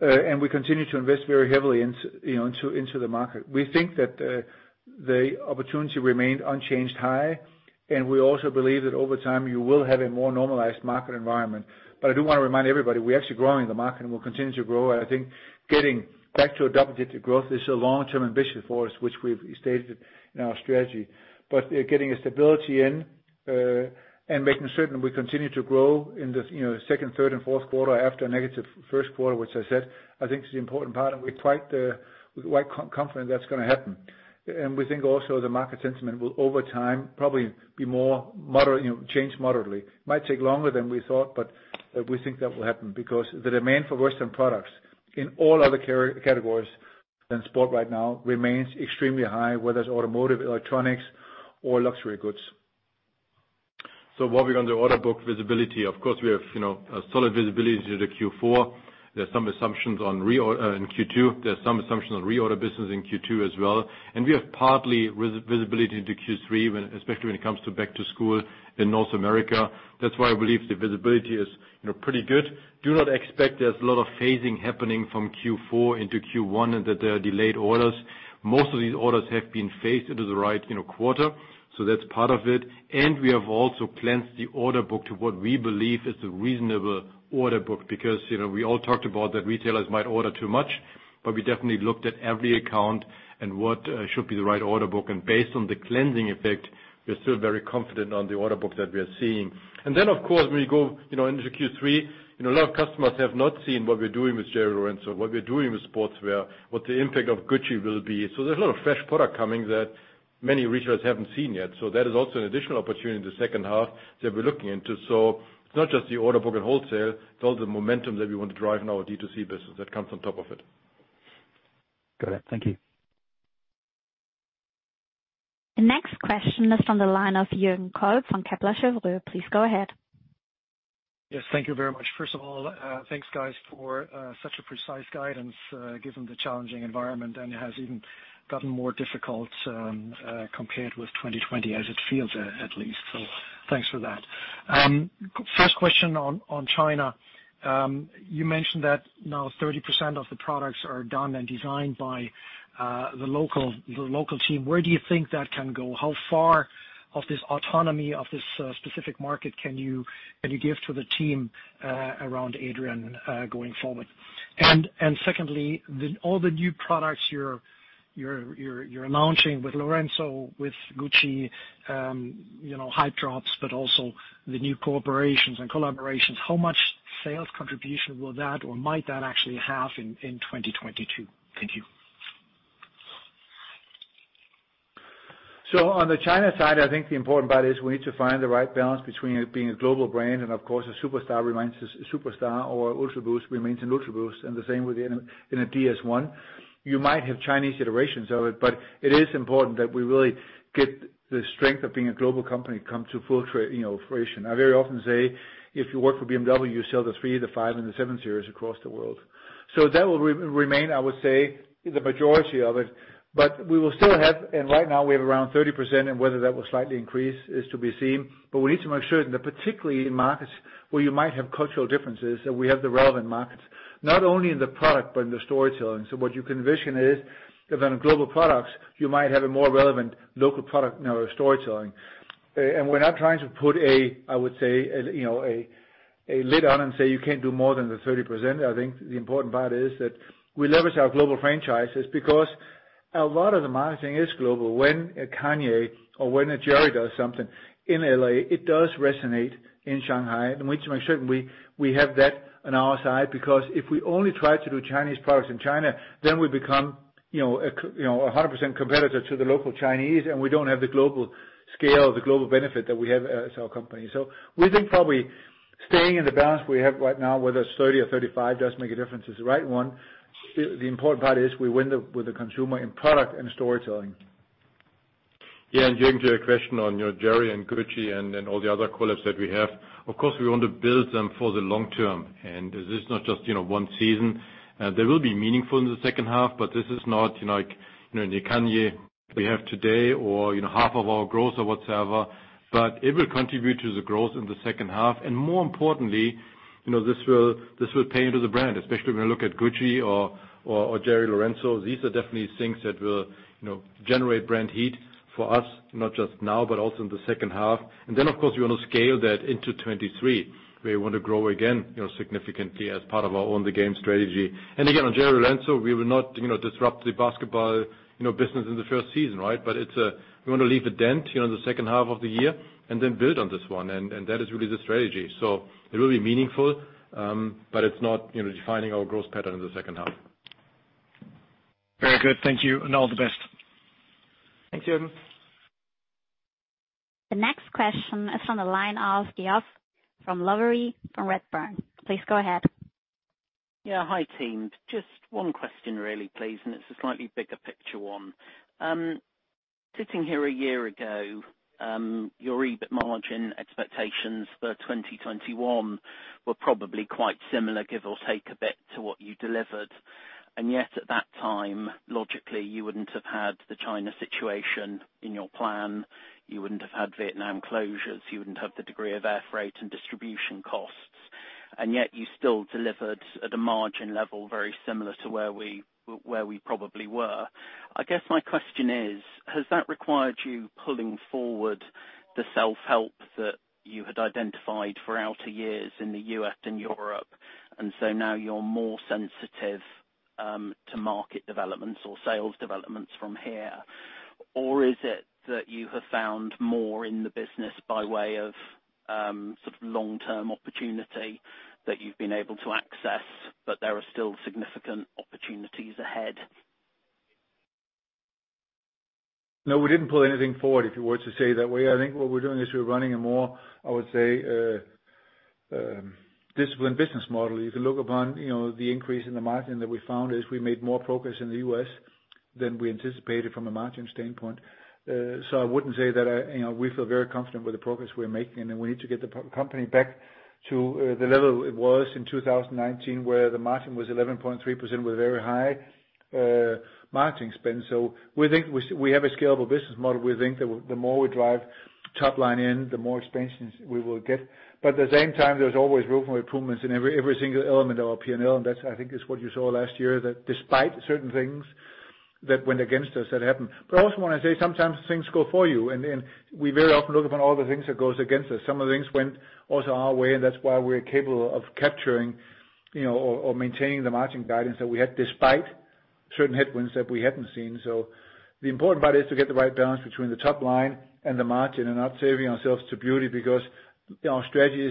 We continue to invest very heavily into, you know, the market. We think that the opportunity remained unchanged high, and we also believe that over time you will have a more normalized market environment. I do wanna remind everybody, we're actually growing the market and we'll continue to grow. I think getting back to a double-digit growth is a long-term ambition for us, which we've stated in our strategy. Getting a stability in and making certain we continue to grow in this, you know, second, third and fourth quarter after a negative first quarter, which I said, I think is the important part, and we're quite confident that's gonna happen. We think also the market sentiment will over time probably be more moderate, you know, change moderately. might take longer than we thought, but we think that will happen because the demand for Western products in all other categories than sport right now remains extremely high, whether it's automotive, electronics or luxury goods. While we're on the order book visibility, of course, we have, you know, a solid visibility into the Q4. There's some assumptions on reorder in Q2. There's some assumptions on reorder business in Q2 as well. We have partial visibility into Q3, especially when it comes to back to school in North America. That's why I believe the visibility is, you know, pretty good. Do not expect there's a lot of phasing happening from Q4 into Q1 and that there are delayed orders. Most of these orders have been phased into the right, you know, quarter, so that's part of it. We have also cleansed the order book to what we believe is a reasonable order book. Because, you know, we all talked about that retailers might order too much, but we definitely looked at every account and what should be the right order book. Based on the cleansing effect, we're still very confident on the order book that we are seeing. Of course, when we go, you know, into Q3, you know, a lot of customers have not seen what we're doing with Jerry Lorenzo, what we're doing with Sportswear, what the impact of Gucci will be. There's a lot of fresh product coming that many retailers haven't seen yet. That is also an additional opportunity in the second half that we're looking into. It's not just the order book and wholesale, it's all the momentum that we want to drive in our D2C business that comes on top of it. Got it. Thank you. The next question is from the line of Jürgen Kolb from Kepler Cheuvreux. Please go ahead. Yes, thank you very much. First of all, thanks guys for such a precise guidance given the challenging environment, and it has even gotten more difficult compared with 2020 as it feels, at least. Thanks for that. First question on China. You mentioned that now 30% of the products are done and designed by the local team. Where do you think that can go? How far of this autonomy of this specific market can you give to the team around Adrian going forward? And secondly, all the new products you're announcing with Lorenzo, with Gucci, you know, hype drops, but also the new corporations and collaborations, how much sales contribution will that or might that actually have in 2022? Thank you. On the China side, I think the important part is we need to find the right balance between it being a global brand and of course a Superstar remains a Superstar or Ultraboost remains an Ultraboost and the same with the NMD as one. You might have Chinese iterations of it, but it is important that we really get the strength of being a global company come to full fruition. I very often say, if you work for BMW, you sell the 3, the 5, and the 7 series across the world. That will remain, I would say, the majority of it. But we will still have, and right now we have around 30%, and whether that will slightly increase is to be seen. We need to make sure that particularly in markets where you might have cultural differences, that we have the relevant markets, not only in the product but in the storytelling. What you can envision is that on global products, you might have a more relevant local product now in our storytelling. We're not trying to put a, I would say, you know, lid on and say you can't do more than the 30%. I think the important part is that we leverage our global franchises because a lot of the marketing is global. When a Kanye or when a Jerry does something in L.A., it does resonate in Shanghai. We need to make sure we have that on our side because if we only try to do Chinese products in China, then we become, you know, a 100% competitor to the local Chinese, and we don't have the global scale, the global benefit that we have as our company. We think probably staying in the balance we have right now, whether it's 30 or 35, doesn't make a difference, is the right one. The important part is we win with the consumer in product and storytelling. Yeah. Jürgen, to your question on, you know, Jerry and Gucci and all the other collabs that we have, of course, we want to build them for the long term. This is not just, you know, one season. They will be meaningful in the second half, but this is not, you know, like, you know, the Kanye we have today or, you know, half of our growth or whatsoever. It will contribute to the growth in the second half. More importantly, you know, this will pay into the brand, especially when you look at Gucci or Jerry Lorenzo. These are definitely things that will, you know, generate brand heat for us, not just now, but also in the second half. Of course, we wanna scale that into 2023, where we want to grow again, you know, significantly as part of our Own the Game strategy. Again, on Jerry Lorenzo, we will not, you know, disrupt the basketball, you know, business in the first season, right? It's we wanna leave a dent, you know, in the second half of the year and then build on this one. That is really the strategy. It will be meaningful, but it's not, you know, defining our growth pattern in the second half. Very good. Thank you, and all the best. Thanks, Jürgen. The next question is from the line of Geoff Lowery from Redburn. Please go ahead. Yeah. Hi, team. Just one question really please, and it's a slightly bigger picture one. Sitting here a year ago, your EBIT margin expectations for 2021 were probably quite similar, give or take a bit, to what you delivered. Yet at that time, logically, you wouldn't have had the China situation in your plan. You wouldn't have had Vietnam closures. You wouldn't have the degree of air freight and distribution costs. Yet you still delivered at a margin level very similar to where we probably were. I guess my question is, has that required you pulling forward the self-help that you had identified for outer years in the U.S. and Europe, and so now you're more sensitive to market developments or sales developments from here? Is it that you have found more in the business by way of, sort of long-term opportunity that you've been able to access, but there are still significant opportunities ahead? No, we didn't pull anything forward, if you were to put it that way. I think what we're doing is we're running a more, I would say, disciplined business model. You can look upon the increase in the margin that we found as we made more progress in the U.S. than we anticipated from a margin standpoint. I wouldn't say that. We feel very confident with the progress we are making, and we need to get the company back to the level it was in 2019, where the margin was 11.3% with very high marketing spend. We think we have a scalable business model. We think that the more we drive top line in, the more expansions we will get. at the same time, there's always room for improvements in every single element of our P&L, and that's, I think, is what you saw last year that despite certain things that went against us, that happened. I also wanna say sometimes things go for you, and then we very often look upon all the things that goes against us. Some of the things went also our way, and that's why we're capable of capturing, you know, or maintaining the margin guidance that we had despite certain headwinds that we hadn't seen. The important part is to get the right balance between the top line and the margin and not saving ourselves to beauty because, you know, our strategy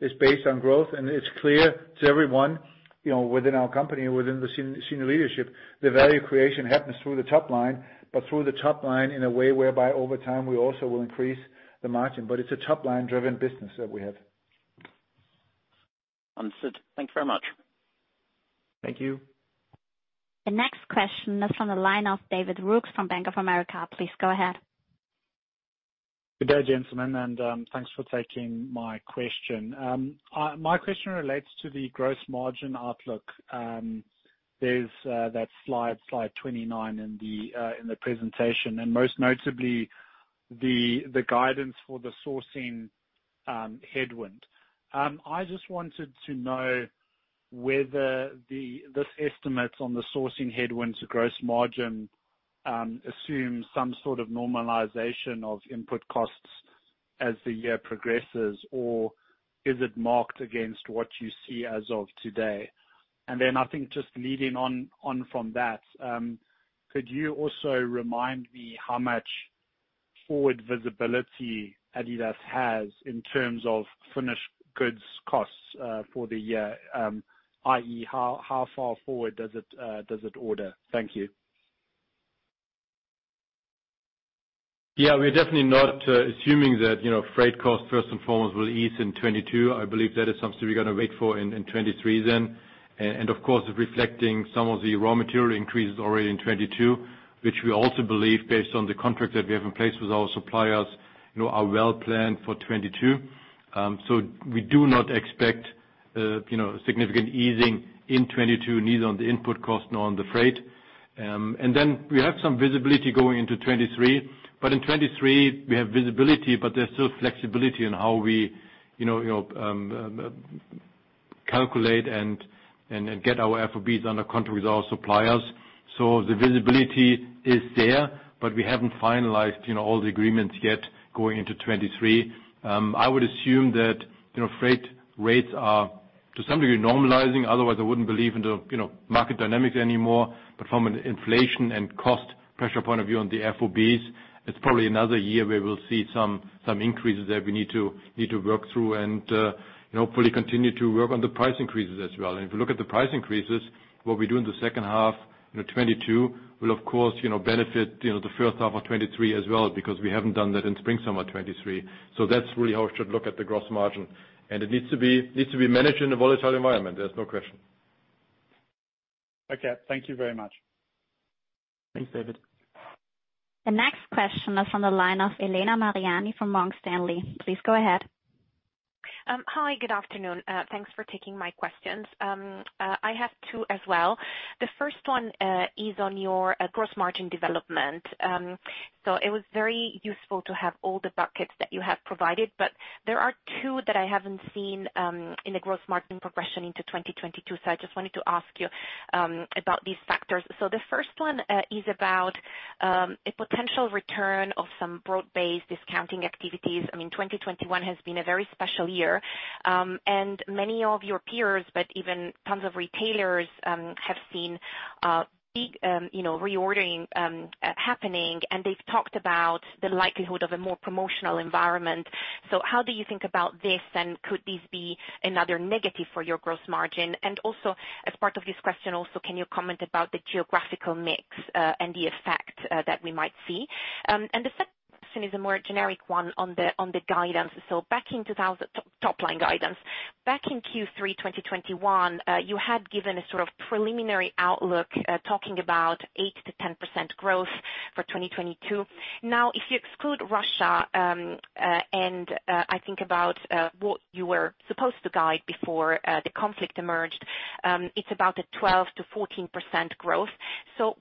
is based on growth, and it's clear to everyone, you know, within our company and within the senior leadership, the value creation happens through the top line. Through the top line in a way whereby over time we also will increase the margin. It's a top line-driven business that we have. Understood. Thank you very much. Thank you. The next question is from the line of David Roux from Bank of America. Please go ahead. Good day, gentlemen, and thanks for taking my question. My question relates to the gross margin outlook. There's that slide 29 in the presentation, and most notably the guidance for the sourcing headwind. I just wanted to know whether this estimate on the sourcing headwinds gross margin assumes some sort of normalization of input costs as the year progresses, or is it marked against what you see as of today? I think just leading on from that, could you also remind me how much forward visibility adidas has in terms of finished goods costs for the year? I.e., how far forward does it order? Thank you. Yeah, we're definitely not assuming that, you know, freight costs first and foremost will ease in 2022. I believe that is something we're gonna wait for in 2023 then. Of course reflecting some of the raw material increases already in 2022, which we also believe based on the contracts that we have in place with our suppliers, you know, are well planned for 2022. We do not expect, you know, significant easing in 2022, neither on the input cost nor on the freight. We have some visibility going into 2023, but in 2023 we have visibility, but there's still flexibility in how we, you know, calculate and get our FOBs under contract with our suppliers. The visibility is there, but we haven't finalized, you know, all the agreements yet going into 2023. I would assume that, you know, freight rates are to some degree normalizing, otherwise I wouldn't believe in the, you know, market dynamics anymore. From an inflation and cost pressure point of view on the FOBs, it's probably another year where we'll see some increases that we need to work through and, you know, fully continue to work on the price increases as well. If you look at the price increases, what we do in the second half, you know, 2022 will of course, you know, benefit, you know, the first half of 2023 as well, because we haven't done that in spring/summer 2023. That's really how we should look at the gross margin, and it needs to be managed in a volatile environment, there's no question. Okay, thank you very much. Thanks, David. The next question is from the line of Elena Mariani from Morgan Stanley. Please go ahead. Hi. Good afternoon. Thanks for taking my questions. I have two as well. The first one is on your gross margin development. So it was very useful to have all the buckets that you have provided, but there are two that I haven't seen in the gross margin progression into 2022, so I just wanted to ask you about these factors. The first one is about a potential return of some broad-based discounting activities. I mean, 2021 has been a very special year, and many of your peers but even tons of retailers have seen big, you know, reordering happening, and they've talked about the likelihood of a more promotional environment. How do you think about this, and could this be another negative for your gross margin? As part of this question, can you comment about the geographical mix and the effect that we might see? The second question is a more generic one on the guidance. Back in Q3 2021, you had given a sort of preliminary outlook, talking about 8%-10% growth for 2022. Now, if you exclude Russia, I think about what you were supposed to guide before the conflict emerged, it's about 12%-14% growth.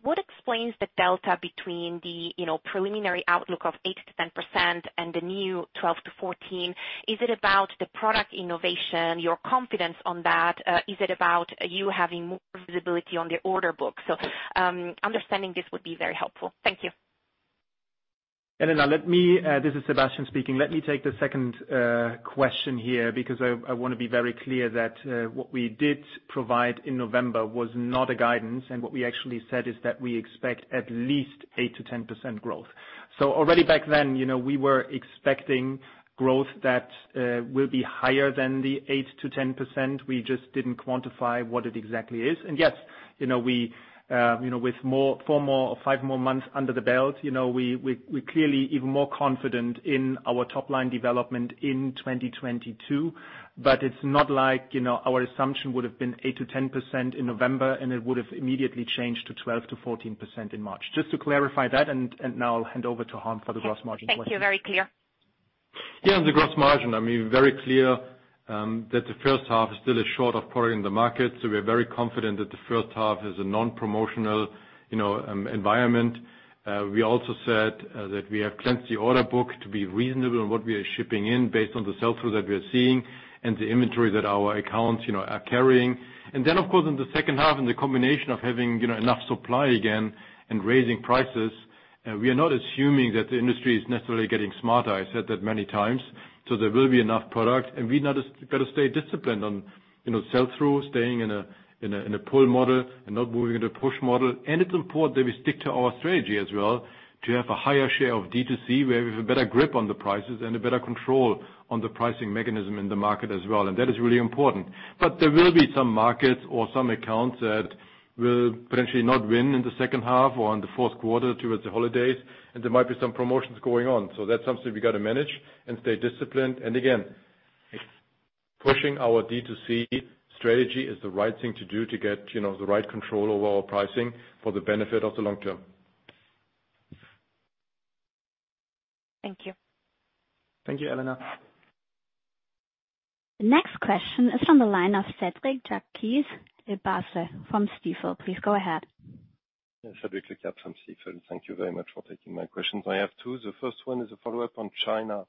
What explains the delta between the, you know, preliminary outlook of 8%-10% and the new 12%-14%? Is it about the product innovation, your confidence on that? Is it about you having more visibility on the order book? Understanding this would be very helpful. Thank you. Elena, let me, this is Sebastian speaking. Let me take the second question here, because I wanna be very clear that what we did provide in November was not a guidance, and what we actually said is that we expect at least 8%-10% growth. Already back then, you know, we were expecting growth that will be higher than the 8%-10%. We just didn't quantify what it exactly is. Yes, you know, we, you know, with four more or five more months under the belt, you know, we're clearly even more confident in our top line development in 2022. It's not like, you know, our assumption would have been 8%-10% in November, and it would have immediately changed to 12%-14% in March. Just to clarify that, and now I'll hand over to Harm for the gross margin question. Yes. Thank you. Very clear. Yeah, on the gross margin, I mean, very clear that the first half is still short of putting the market. We are very confident that the first half is a non-promotional, you know, environment. We also said that we have cleansed the order book to be reasonable in what we are shipping in based on the sell-through that we are seeing and the inventory that our accounts, you know, are carrying. Then, of course, in the second half, the combination of having, you know, enough supply again and raising prices, we are not assuming that the industry is necessarily getting smarter. I said that many times. There will be enough product. We now just got to stay disciplined on, you know, sell-through, staying in a pull model and not moving in a push model. It's important that we stick to our strategy as well to have a higher share of D2C, where we have a better grip on the prices and a better control on the pricing mechanism in the market as well. That is really important. There will be some markets or some accounts that will potentially not win in the second half or in the fourth quarter towards the holidays, and there might be some promotions going on. That's something we got to manage and stay disciplined. Again, pushing our D2C strategy is the right thing to do to get, you know, the right control over our pricing for the benefit of the long term. Thank you. Thank you, Elena. The next question is from the line of Cedric Lecasble from Stifel. Please go ahead. Cedric Lecasble from Stifel. Thank you very much for taking my questions. I have two. The first one is a follow-up on China.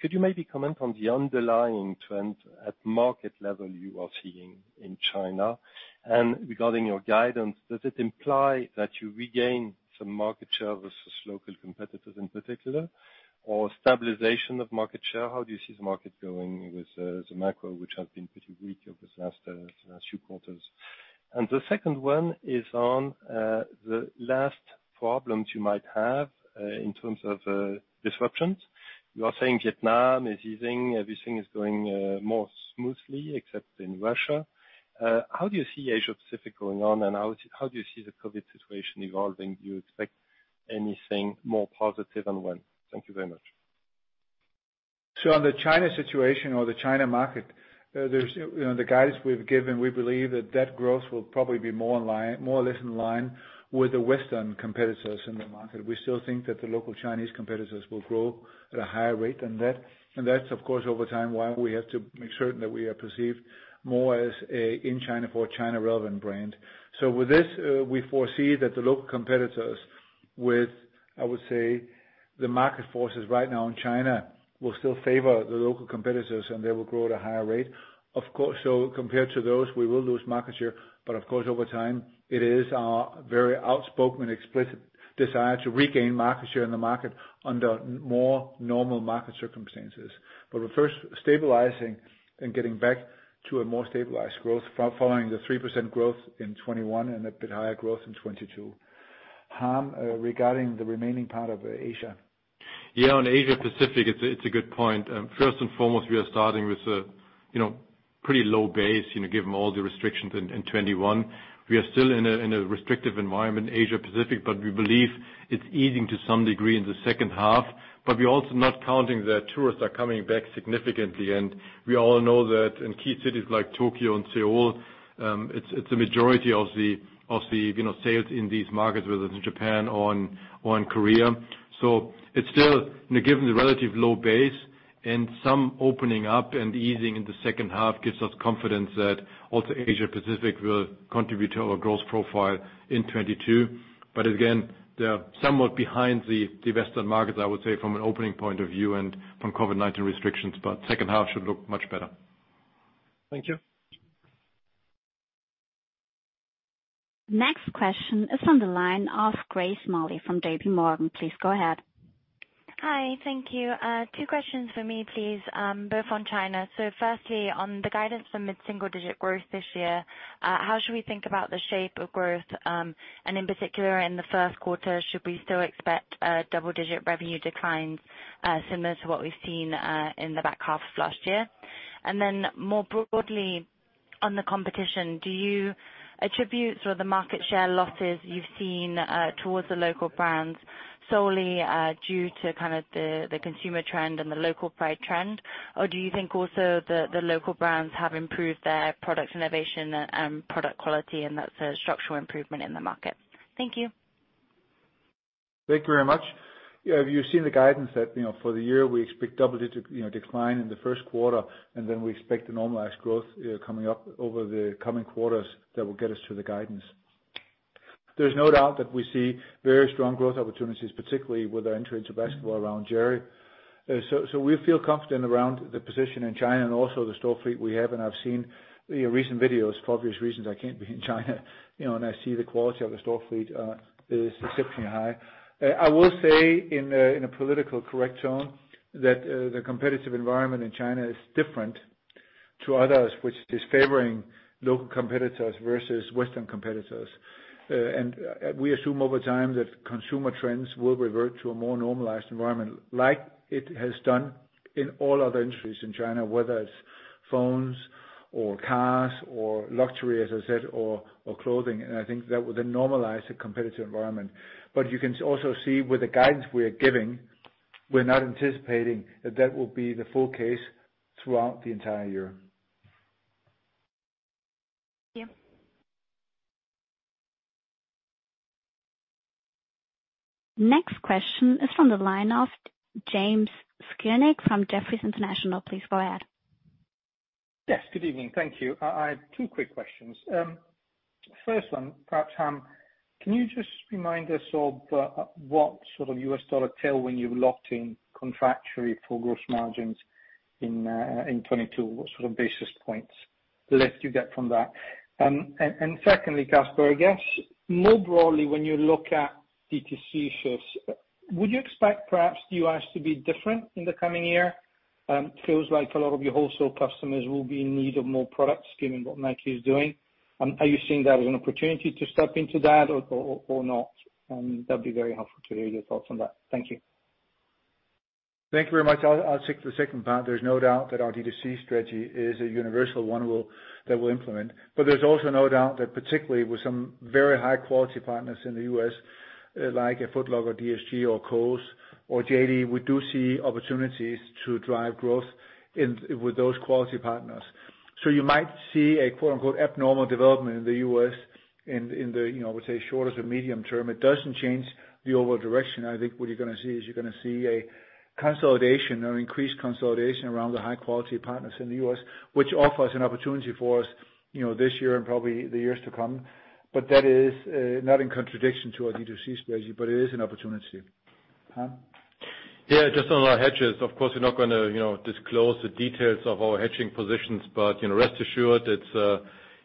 Could you maybe comment on the underlying trend at market level you are seeing in China? Regarding your guidance, does it imply that you regain some market share versus local competitors in particular, or stabilization of market share? How do you see the market going with the macro, which has been pretty weak over the last few quarters? The second one is on the latest problems you might have in terms of disruptions. You are saying Vietnam is easing, everything is going more smoothly, except in Russia. How do you see Asia-Pacific going on, and how do you see the COVID situation evolving? Do you expect anything more positive on when? Thank you very much. On the China situation or the China market, there's the guidance we've given. We believe that growth will probably be more or less in line with the Western competitors in the market. We still think that the local Chinese competitors will grow at a higher rate than that. That's over time why we have to make certain that we are perceived more as an in-China, for-China relevant brand. With this, we foresee that the local competitors with, I would say, the market forces right now in China will still favor the local competitors, and they will grow at a higher rate. Compared to those, we will lose market share. Of course, over time, it is our very outspoken, explicit desire to regain market share in the market under more normal market circumstances. We're first stabilizing and getting back to a more stabilized growth following the 3% growth in 2021 and a bit higher growth in 2022. Harm, regarding the remaining part of Asia. Yeah, on Asia-Pacific, it's a good point. First and foremost, we are starting with a you know, pretty low base, you know, given all the restrictions in 2021. We are still in a restrictive environment in Asia-Pacific, but we believe it's easing to some degree in the second half. We're also not counting that tourists are coming back significantly. We all know that in key cities like Tokyo and Seoul, it's a majority of the you know sales in these markets, whether it's in Japan or in Korea. It's still, given the relative low base and some opening up and easing in the second half, gives us confidence that also Asia-Pacific will contribute to our growth profile in 2022. Again, they are somewhat behind the Western markets, I would say, from an opening point of view and from COVID-19 restrictions. Second half should look much better. Thank you. Next question is on the line of Grace Smalley from JPMorgan. Please go ahead. Hi. Thank you. Two questions for me, please, both on China. Firstly, on the guidance for mid-single-digit growth this year, how should we think about the shape of growth? In particular, in the first quarter, should we still expect double-digit revenue declines, similar to what we've seen in the back half of last year? More broadly on the competition, do you attribute sort of the market share losses you've seen towards the local brands solely due to kind of the consumer trend and the local pride trend? Or do you think also the local brands have improved their product innovation and product quality and that's a structural improvement in the market? Thank you. Thank you very much. Yeah, you've seen the guidance that, you know, for the year, we expect double digit decline in the first quarter, and then we expect a normalized growth coming up over the coming quarters that will get us to the guidance. There's no doubt that we see very strong growth opportunities, particularly with our entry into basketball around Jerry. We feel confident around the position in China and also the store fleet we have. I've seen, you know, recent videos. For obvious reasons, I can't be in China, you know, and I see the quality of the store fleet is exceptionally high. I will say in a politically correct tone that the competitive environment in China is different to others, which is favoring local competitors versus Western competitors. We assume over time that consumer trends will revert to a more normalized environment like it has done in all other industries in China, whether it's phones or cars or luxury, as I said, or clothing. I think that will then normalize the competitive environment. You can also see with the guidance we are giving, we're not anticipating that will be the full case throughout the entire year. Thank you. Next question is from the line of James Grzinic from Jefferies International. Please go ahead. Yes, good evening. Thank you. I have two quick questions. First one, perhaps, Harm, can you just remind us of what sort of US dollar tailwind you've locked in contractually for gross margins in 2022? What sort of basis points lift you get from that? And secondly, Kasper, I guess more broadly when you look at DTC shifts, would you expect perhaps the U.S. to be different in the coming year? Feels like a lot of your wholesale customers will be in need of more product, given what Nike is doing. Are you seeing that as an opportunity to step into that or not? That'd be very helpful to hear your thoughts on that. Thank you. Thank you very much. I'll take the second part. There's no doubt that our DTC strategy is a universal one that we'll implement. There's also no doubt that particularly with some very high quality partners in the U.S., like Foot Locker, DSG or Kohl's or JD, we do see opportunities to drive growth with those quality partners. You might see a quote unquote abnormal development in the U.S. you know, I would say shorter to medium term. It doesn't change the overall direction. I think what you're gonna see is you're gonna see a consolidation or increased consolidation around the high quality partners in the U.S., which offers an opportunity for us, you know, this year and probably the years to come. That is not in contradiction to our DTC strategy, but it is an opportunity. Harm? Yeah, just on our hedges, of course, we're not gonna, you know, disclose the details of our hedging positions, but, you know, rest assured it's,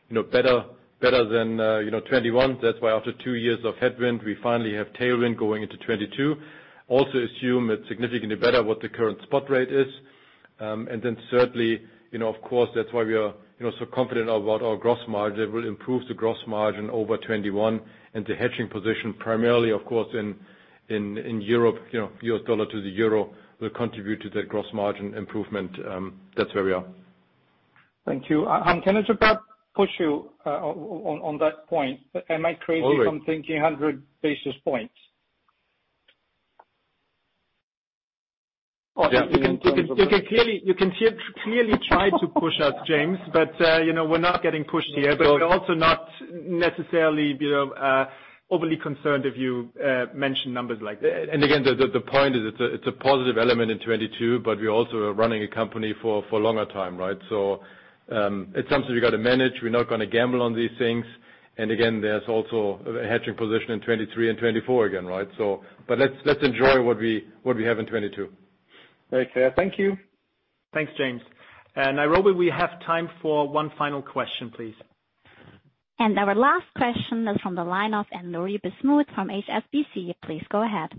you know, better than, you know, 2021. That's why after two years of headwind, we finally have tailwind going into 2022. Also assume it's significantly better what the current spot rate is. And then certainly, you know, of course, that's why we are, you know, so confident about our gross margin. It will improve the gross margin over 2021 and the hedging position primarily of course in Europe, you know, US dollar to the euro will contribute to that gross margin improvement. That's where we are. Thank you. Harm, can I just perhaps push you on that point? Am I crazy on thinking 100 basis points? You can clearly try to push us, James. You know, we're not getting pushed here, but we're also not necessarily, you know, overly concerned if you mention numbers like that. The point is it's a positive element in 2022, but we also are running a company for longer time, right? It's something we've got to manage. We're not gonna gamble on these things. There's also a hedging position in 2023 and 2024 again, right? But let's enjoy what we have in 2022. Very clear. Thank you. Thanks, James. Nairobi, we have time for one final question, please. Our last question is from the line of Anne-Laure Bismuth from HSBC. Please go ahead.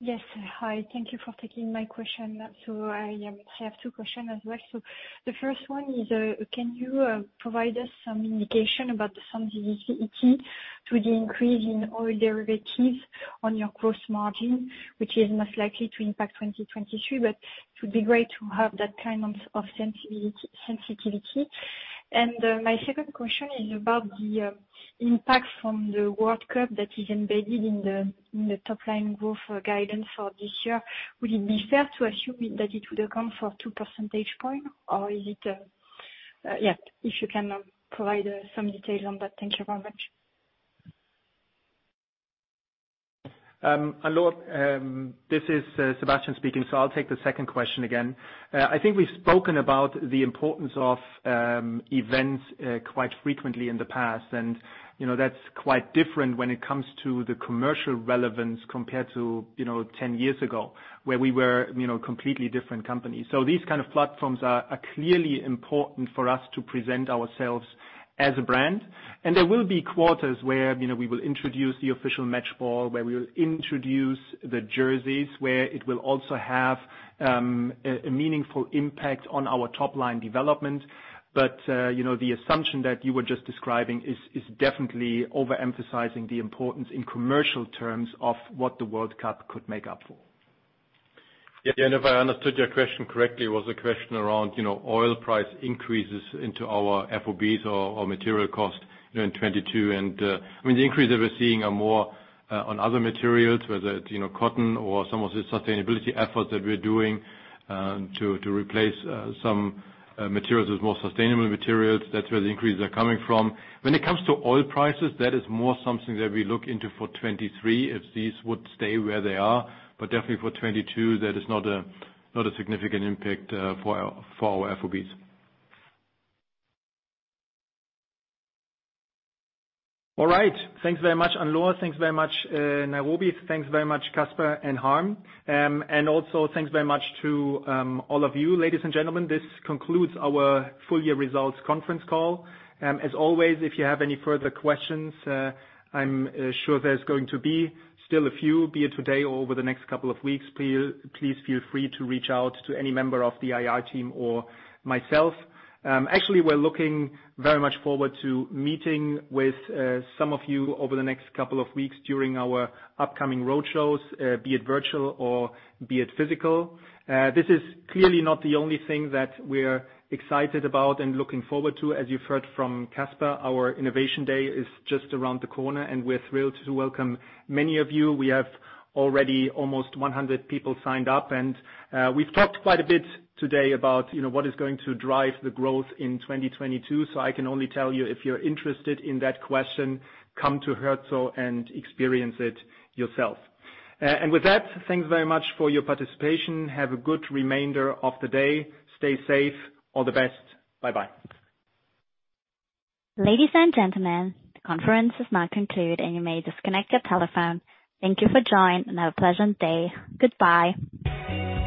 Yes. Hi. Thank you for taking my question. I have two questions as well. The first one is, can you provide us some indication about the sensitivity to the increase in oil derivatives on your gross margin, which is most likely to impact 2023, but it would be great to have that kind of sensitivity. My second question is about the impact from the World Cup that is embedded in the top line growth guidance for this year. Would it be fair to assume that it would account for two percentage points, or is it, yeah, if you can provide some details on that? Thank you very much. Anne-Laure, this is Sebastian speaking, so I'll take the second question again. I think we've spoken about the importance of events quite frequently in the past, and you know, that's quite different when it comes to the commercial relevance compared to you know, 10 years ago, where we were you know, a completely different company. These kind of platforms are clearly important for us to present ourselves as a brand. There will be quarters where you know, we will introduce the official match ball, where we will introduce the jerseys, where it will also have a meaningful impact on our top line development. You know, the assumption that you were just describing is definitely overemphasizing the importance in commercial terms of what the World Cup could make up for. Yeah. If I understood your question correctly, it was a question around, you know, oil price increases into our FOBs or material cost, you know, in 2022. I mean, the increase that we're seeing are more on other materials, whether it's, you know, cotton or some of the sustainability efforts that we're doing to replace some materials with more sustainable materials. That's where the increases are coming from. When it comes to oil prices, that is more something that we look into for 2023, if these would stay where they are. Definitely for 2022, that is not a significant impact for our FOBs. All right. Thanks very much, Anne-Laure. Thanks very much, Nairobi. Thanks very much, Kasper and Harm. Also thanks very much to all of you. Ladies and gentlemen, this concludes our full year results conference call. As always, if you have any further questions, I'm sure there's going to be still a few, be it today or over the next couple of weeks. Please feel free to reach out to any member of the IR team or myself. Actually, we're looking very much forward to meeting with some of you over the next couple of weeks during our upcoming roadshows, be it virtual or be it physical. This is clearly not the only thing that we're excited about and looking forward to. As you've heard from Kasper, our innovation day is just around the corner, and we're thrilled to welcome many of you. We have already almost 100 people signed up. We've talked quite a bit today about what is going to drive the growth in 2022, so I can only tell you if you're interested in that question, come to Herzogenaurach and experience it yourself. With that, thanks very much for your participation. Have a good remainder of the day. Stay safe. All the best. Bye-bye. Ladies and gentlemen, the conference is now concluded, and you may disconnect your telephone. Thank you for joining, and have a pleasant day. Goodbye.